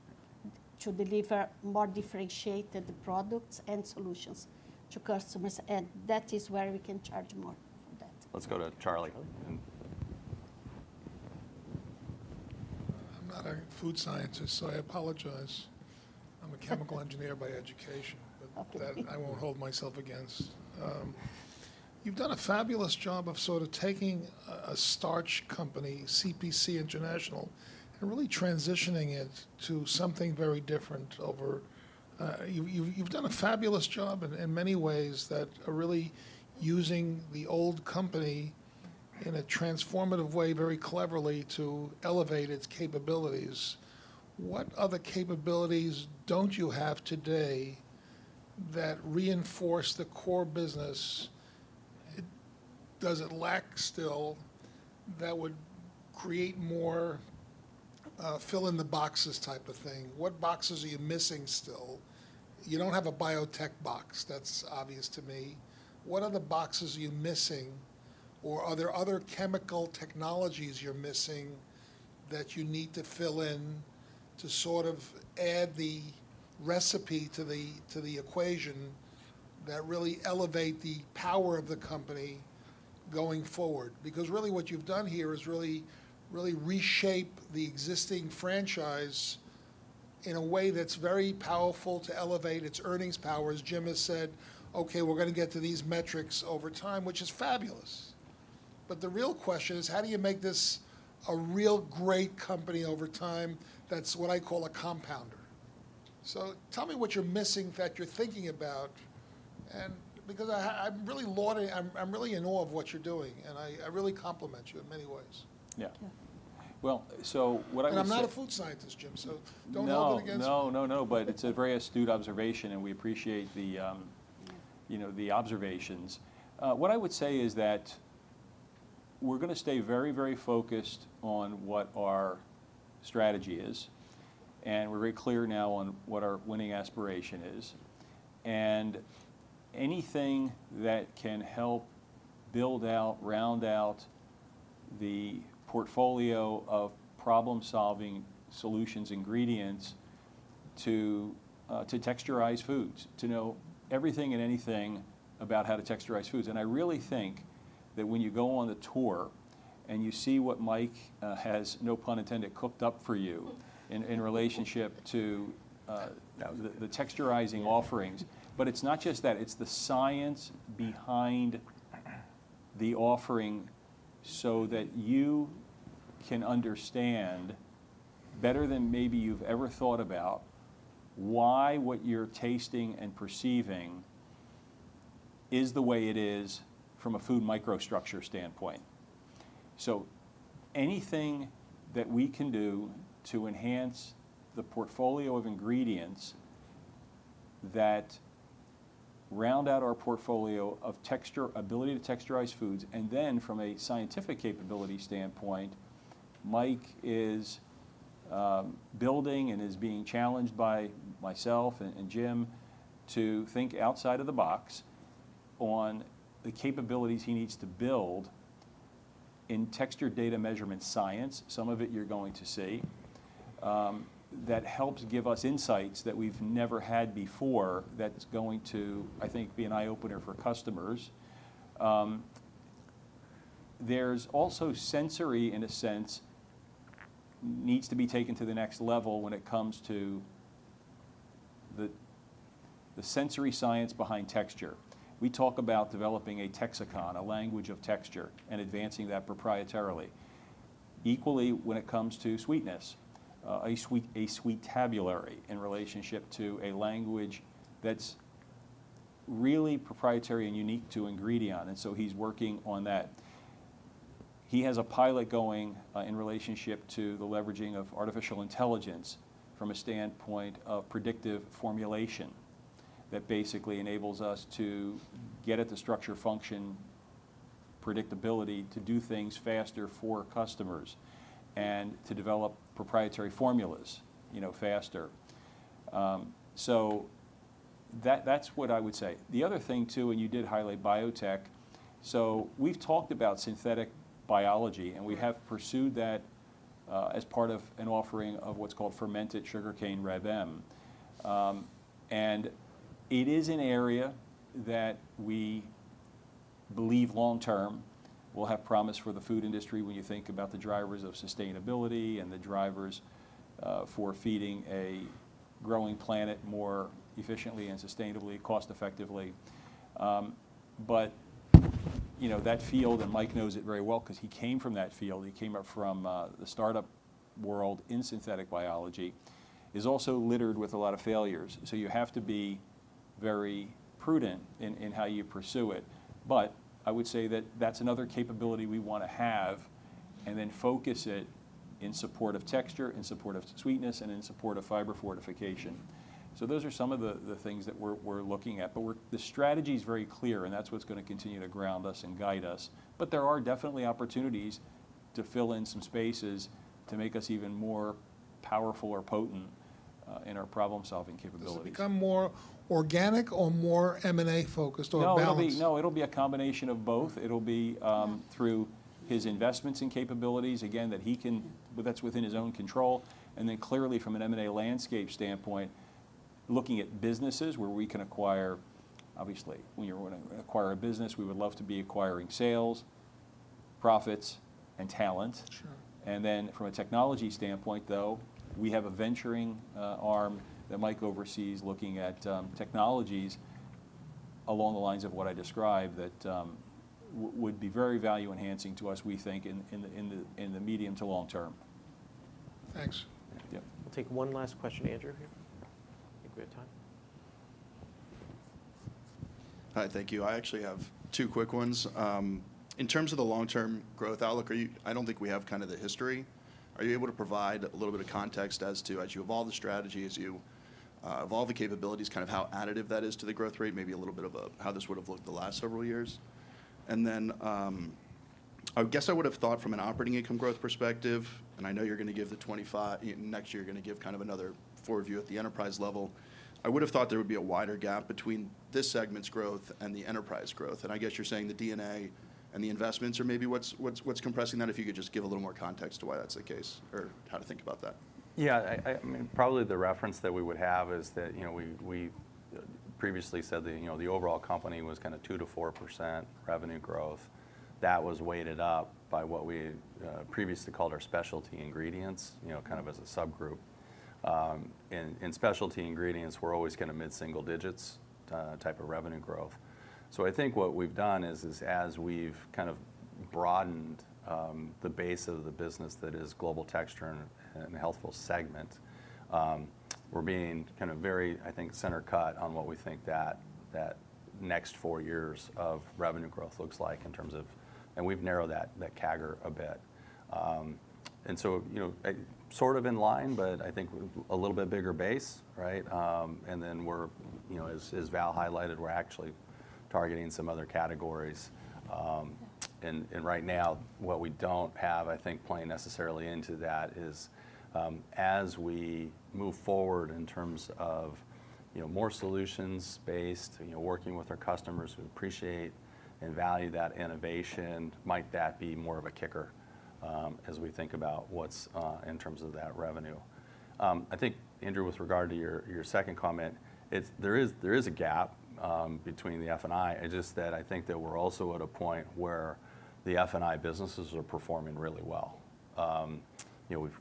C: deliver more differentiated products and solutions to customers. And that is where we can charge more for that.
B: Let's go to Charlie.
I: I'm not a food scientist, so I apologize. I'm a chemical engineer by education, but I won't hold myself against. You've done a fabulous job of sort of taking a starch company, CPC International, and really transitioning it to something very different. You've done a fabulous job in many ways that are really using the old company in a transformative way, very cleverly to elevate its capabilities. What other capabilities don't you have today that reinforce the core business? Does it lack still that would create more fill-in-the-boxes type of thing? What boxes are you missing still? You don't have a biotech box. That's obvious to me. What other boxes are you missing? Or are there other chemical technologies you're missing that you need to fill in to sort of add the recipe to the equation that really elevate the power of the company going forward? Because really what you've done here is really reshape the existing franchise in a way that's very powerful to elevate its earnings power, as Jim has said, "Okay, we're going to get to these metrics over time," which is fabulous. But the real question is, how do you make this a real great company over time that's what I call a compounder? So tell me what you're missing that you're thinking about because I'm really in awe of what you're doing, and I really compliment you in many ways.
B: Yeah. Well, so what I would say.
I: I'm not a food scientist, Jim. Don't hold it against us.
B: No, no, no, no. But it's a very astute observation, and we appreciate the observations. What I would say is that we're going to stay very, very focused on what our strategy is. And we're very clear now on what our winning aspiration is. And anything that can help build out, round out the portfolio of problem-solving solutions, ingredients to texturize foods, to know everything and anything about how to texturize foods. And I really think that when you go on the tour and you see what Mike has, no pun intended, cooked up for you in relationship to the texturizing offerings, but it's not just that. It's the science behind the offering so that you can understand better than maybe you've ever thought about why what you're tasting and perceiving is the way it is from a food microstructure standpoint. So anything that we can do to enhance the portfolio of ingredients that round out our portfolio of ability to texturize foods, and then from a scientific capability standpoint, Mike is building and is being challenged by myself and Jim to think outside of the box on the capabilities he needs to build in texture data measurement science. Some of it you're going to see that helps give us insights that we've never had before. That's going to, I think, be an eye-opener for customers. There's also sensory, in a sense, needs to be taken to the next level when it comes to the sensory science behind texture. We talk about developing a Texicon, a language of texture, and advancing that proprietarily. Equally, when it comes to sweetness, a sweet taxonomy in relationship to a language that's really proprietary and unique to Ingredion. And so he's working on that. He has a pilot going in relationship to the leveraging of artificial intelligence from a standpoint of predictive formulation that basically enables us to get at the structure-function predictability to do things faster for customers and to develop proprietary formulas faster. So that's what I would say. The other thing too, and you did highlight biotech. So we've talked about synthetic biology, and we have pursued that as part of an offering of what's called fermented sugarcane Reb M. And it is an area that we believe long-term will have promise for the food industry when you think about the drivers of sustainability and the drivers for feeding a growing planet more efficiently and sustainably, cost-effectively. But that field, and Mike knows it very well because he came from that field. He came up from the startup world in synthetic biology, is also littered with a lot of failures. So you have to be very prudent in how you pursue it. But I would say that that's another capability we want to have and then focus it in support of texture, in support of sweetness, and in support of fiber fortification. So those are some of the things that we're looking at. But the strategy is very clear, and that's what's going to continue to ground us and guide us. But there are definitely opportunities to fill in some spaces to make us even more powerful or potent in our problem-solving capabilities.
I: Does it become more organic or more M&A-focused or balanced?
B: No, it'll be a combination of both. It'll be through his investments and capabilities, again, that he can, but that's within his own control. And then clearly, from an M&A landscape standpoint, looking at businesses where we can acquire, obviously, when you're wanting to acquire a business, we would love to be acquiring sales, profits, and talent. And then from a technology standpoint, though, we have a venturing arm that Mike oversees looking at technologies along the lines of what I described that would be very value-enhancing to us, we think, in the medium to long term.
I: Thanks.
A: We'll take one last question, Andrew here. I think we have time. Hi, thank you. I actually have two quick ones. In terms of the long-term growth outlook, I don't think we have kind of the history. Are you able to provide a little bit of context as to, as you evolve the strategy, as you evolve the capabilities, kind of how additive that is to the growth rate, maybe a little bit of how this would have looked the last several years? And then I guess I would have thought from an operating income growth perspective, and I know you're going to give the 25% next year, you're going to give kind of another 4% at the enterprise level, I would have thought there would be a wider gap between this segment's growth and the enterprise growth. I guess you're saying the DNA and the investments are maybe what's compressing that if you could just give a little more context to why that's the case or how to think about that.
B: Yeah. I mean, probably the reference that we would have is that we previously said the overall company was kind of 2%-4% revenue growth. That was weighted up by what we previously called our specialty ingredients, kind of as a subgroup. In specialty ingredients, we're always kind of mid-single digits type of revenue growth. So I think what we've done is, as we've kind of broadened the base of the business that is global Texture and Healthful segment, we're being kind of very, I think, center cut on what we think that next four years of revenue growth looks like in terms of, and we've narrowed that CAGR a bit. And so sort of in line, but I think a little bit bigger base. And then as Val highlighted, we're actually targeting some other categories. And right now, what we don't have, I think, playing necessarily into that is as we move forward in terms of more solutions-based working with our customers who appreciate and value that innovation. Might that be more of a kicker as we think about what's in terms of that revenue? I think, Andrew, with regard to your second comment, there is a gap between the F&I. It's just that I think that we're also at a point where the F&I businesses are performing really well.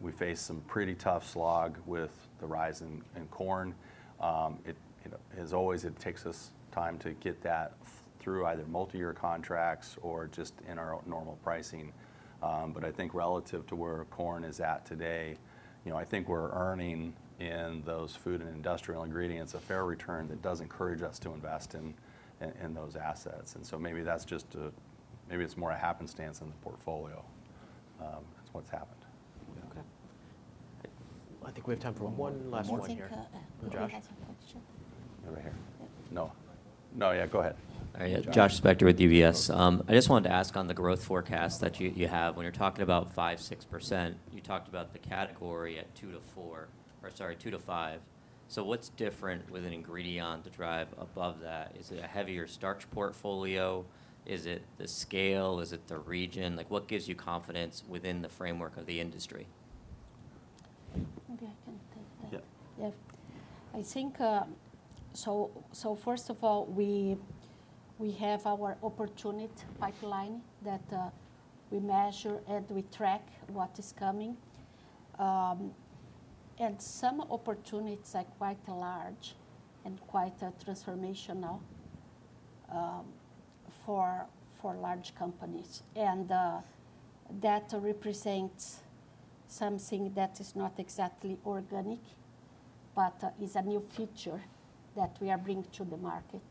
B: We faced some pretty tough slog with the rise in corn. It takes us time to get that through either multi-year contracts or just in our normal pricing. But I think relative to where corn is at today, I think we're earning in those food and industrial ingredients a fair return that does encourage us to invest in those assets .And so maybe that's just a, maybe it's more a happenstance in the portfolio. That's what's happened.
A: I think we have time for one last one here.
B: Josh.
H: Right here.
B: No. No, yeah, go ahead.
J: Josh Spector with UBS. I just wanted to ask on the growth forecast that you have. When you're talking about 5%, 6%, you talked about the category at 2% to 4% or sorry, 2% to 5%. So what's different with Ingredion to drive above that? Is it a heavier starch portfolio? Is it the scale? Is it the region? What gives you confidence within the framework of the industry?
C: Maybe I can take that. Yeah. So first of all, we have our opportunity pipeline that we measure and we track what is coming. And some opportunities are quite large and quite transformational for large companies. And that represents something that is not exactly organic, but is a new feature that we are bringing to the market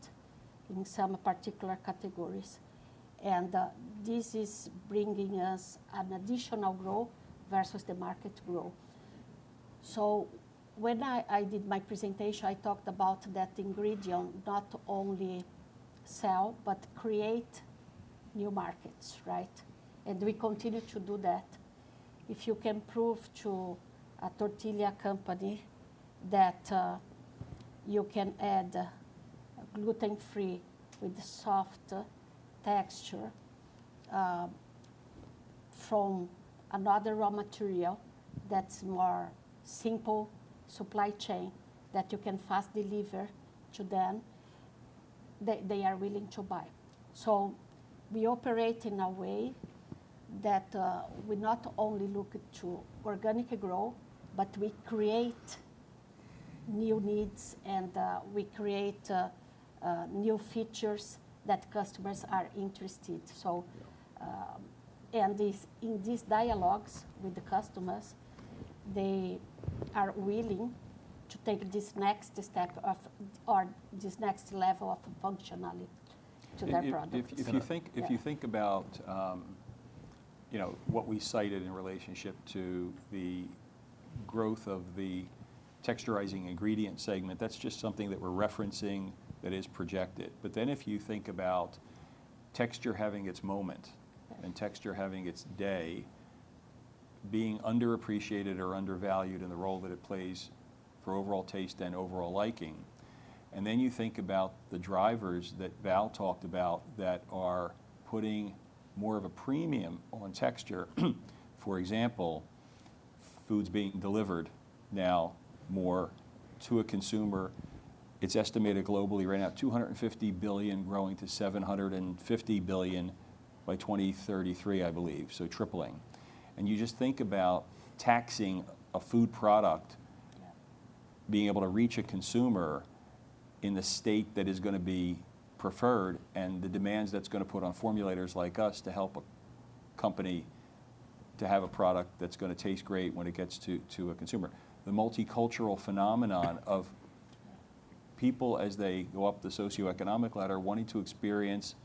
C: in some particular categories. And this is bringing us an additional growth versus the market growth. So when I did my presentation, I talked about that Ingredion, not only sell, but create new markets, right? And we continue to do that. If you can prove to a tortilla company that you can add gluten-free with soft texture from another raw material that's more simple supply chain that you can fast deliver to them, they are willing to buy. So we operate in a way that we not only look to organic growth, but we create new needs and we create new features that customers are interested in. And in these dialogues with the customers, they are willing to take this next step or this next level of functionality to their products.
D: If you think about what we cited in relationship to the growth of the texturizing ingredient segment, that's just something that we're referencing that is projected, but then if you think about texture having its moment and texture having its day being underappreciated or undervalued in the role that it plays for overall taste and overall liking, and then you think about the drivers that Val talked about that are putting more of a premium on texture, for example, foods being delivered now more to a consumer. It's estimated globally right now, $250 billion growing to $750 billion by 2033, I believe, so tripling. You just think about taking a food product, being able to reach a consumer in the state that is going to be preferred and the demands that's going to put on formulators like us to help a company to have a product that's going to taste great when it gets to a consumer. The multicultural phenomenon of people as they go up the socioeconomic ladder wanting to experience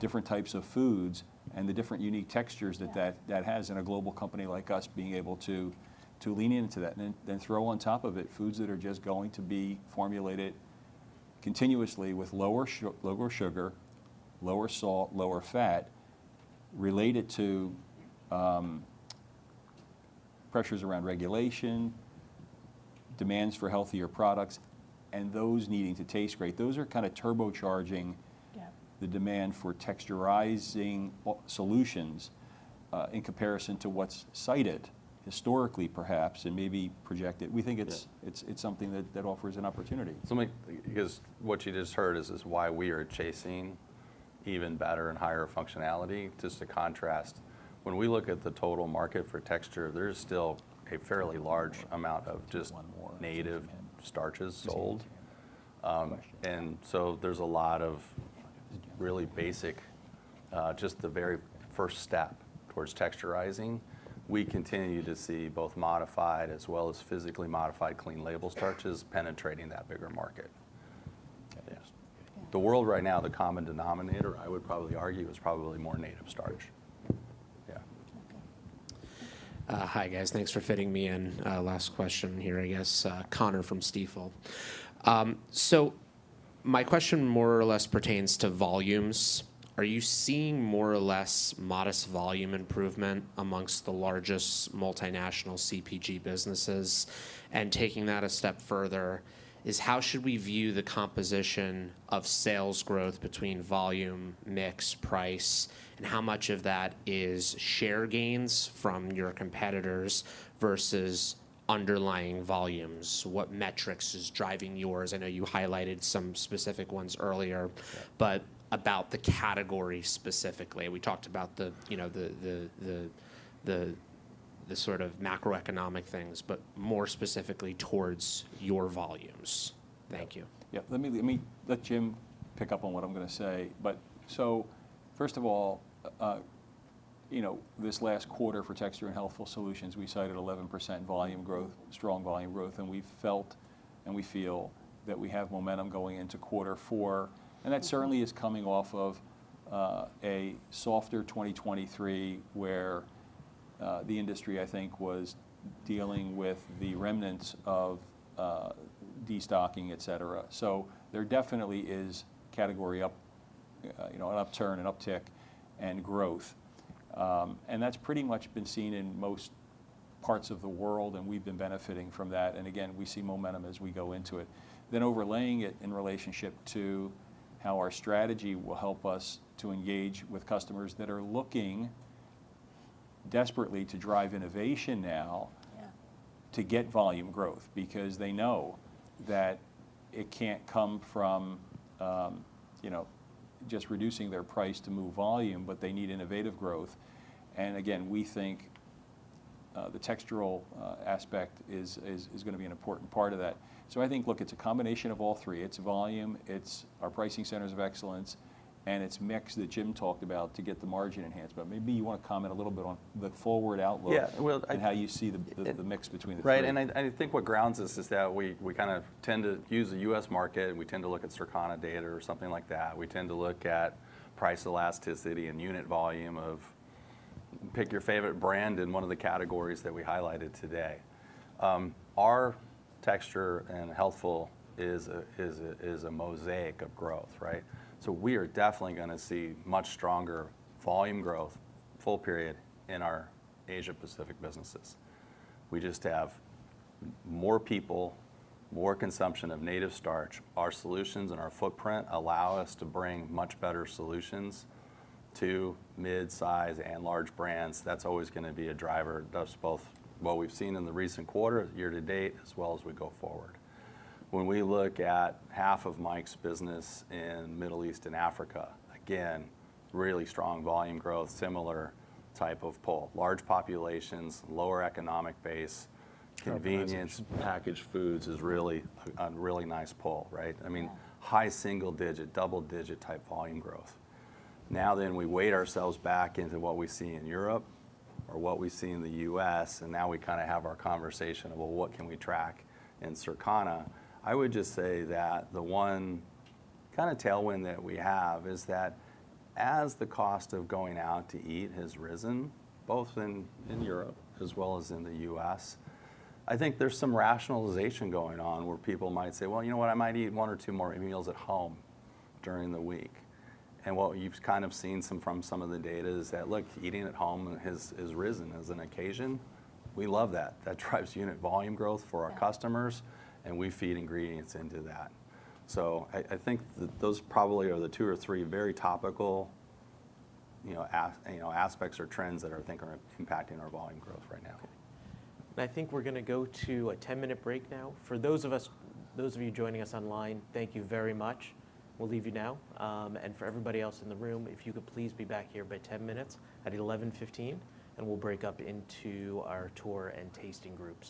D: different types of foods and the different unique textures that that has in a global company like us being able to lean into that and then throw on top of it foods that are just going to be formulated continuously with lower sugar, lower salt, lower fat, related to pressures around regulation, demands for healthier products, and those needing to taste great. Those are kind of turbocharging the demand for texturizing solutions in comparison to what's cited historically, perhaps, and maybe projected. We think it's something that offers an opportunity.
B: So what you just heard is why we are chasing even better and higher functionality. Just to contrast, when we look at the total market for texture, there is still a fairly large amount of just native starches sold. And so there's a lot of really basic, just the very first step towards texturizing. We continue to see both modified as well as physically modified clean label starches penetrating that bigger market. The world right now, the common denominator, I would probably argue is probably more native starch. Yeah. Hi, guys. Thanks for fitting me in. Last question here, I guess. Connor from Stifel. So my question more or less pertains to volumes. Are you seeing more or less modest volume improvement amongst the largest multinational CPG businesses? And taking that a step further is, how should we view the composition of sales growth between volume, mix, price, and how much of that is share gains from your competitors versus underlying volumes? What metrics is driving yours? I know you highlighted some specific ones earlier, but about the category specifically. We talked about the sort of macroeconomic things, but more specifically towards your volumes. Thank you.
D: Yeah. Let me let Jim pick up on what I'm going to say. So first of all, this last quarter for Texture and Healthful Solutions, we cited 11% volume growth, strong volume growth. And we felt and we feel that we have momentum going into quarter four. And that certainly is coming off of a softer 2023 where the industry, I think, was dealing with the remnants of destocking, et cetera. So there definitely is category up, an upturn, an uptick, and growth. And that's pretty much been seen in most parts of the world, and we've been benefiting from that. And again, we see momentum as we go into it. Then overlaying it in relationship to how our strategy will help us to engage with customers that are looking desperately to drive innovation now to get volume growth because they know that it can't come from just reducing their price to move volume, but they need innovative growth. And again, we think the textural aspect is going to be an important part of that. So I think, look, it's a combination of all three. It's volume, it's our pricing centers of excellence, and it's mix that Jim talked about to get the margin enhancement. Maybe you want to comment a little bit on the forward outlook and how you see the mix between the three.
B: Right. And I think what grounds us is that we kind of tend to use the U.S. market. We tend to look at Circana data or something like that. We tend to look at price elasticity and unit volume of pick your favorite brand in one of the categories that we highlighted today. Our Texture and Healthful is a mosaic of growth, right? So we are definitely going to see much stronger volume growth, full period, in our Asia-Pacific businesses. We just have more people, more consumption of native starch. Our solutions and our footprint allow us to bring much better solutions to mid-size and large brands. That's always going to be a driver, both what we've seen in the recent quarter, year to date, as well as we go forward. When we look at half of Mike's business in the Middle East and Africa, again, really strong volume growth, similar type of pull. Large populations, lower economic base, convenience. Packaged foods is really a really nice pull, right? I mean, high single-digit, double-digit type volume growth. Now then we weighed ourselves back into what we see in Europe or what we see in the U.S., and now we kind of have our conversation of, well, what can we track in Circana? I would just say that the one kind of tailwind that we have is that as the cost of going out to eat has risen, both in Europe as well as in the U.S., I think there's some rationalization going on where people might say, well, you know what, I might eat one or two more meals at home during the week, and what you've kind of seen from some of the data is that, look, eating at home has risen a s an occasion. We love that. That drives unit volume growth for our customers, and we feed ingredients into that. So I think those probably are the two or three very topical aspects or trends that I think are impacting our volume growth right now.
A: I think we're going to go to a 10-minute break now. For those of you joining us online, thank you very much. We'll leave you now. And for everybody else in the room, if you could please be back here by 10 minutes at 11:15, and we'll break up into our tour and tasting groups.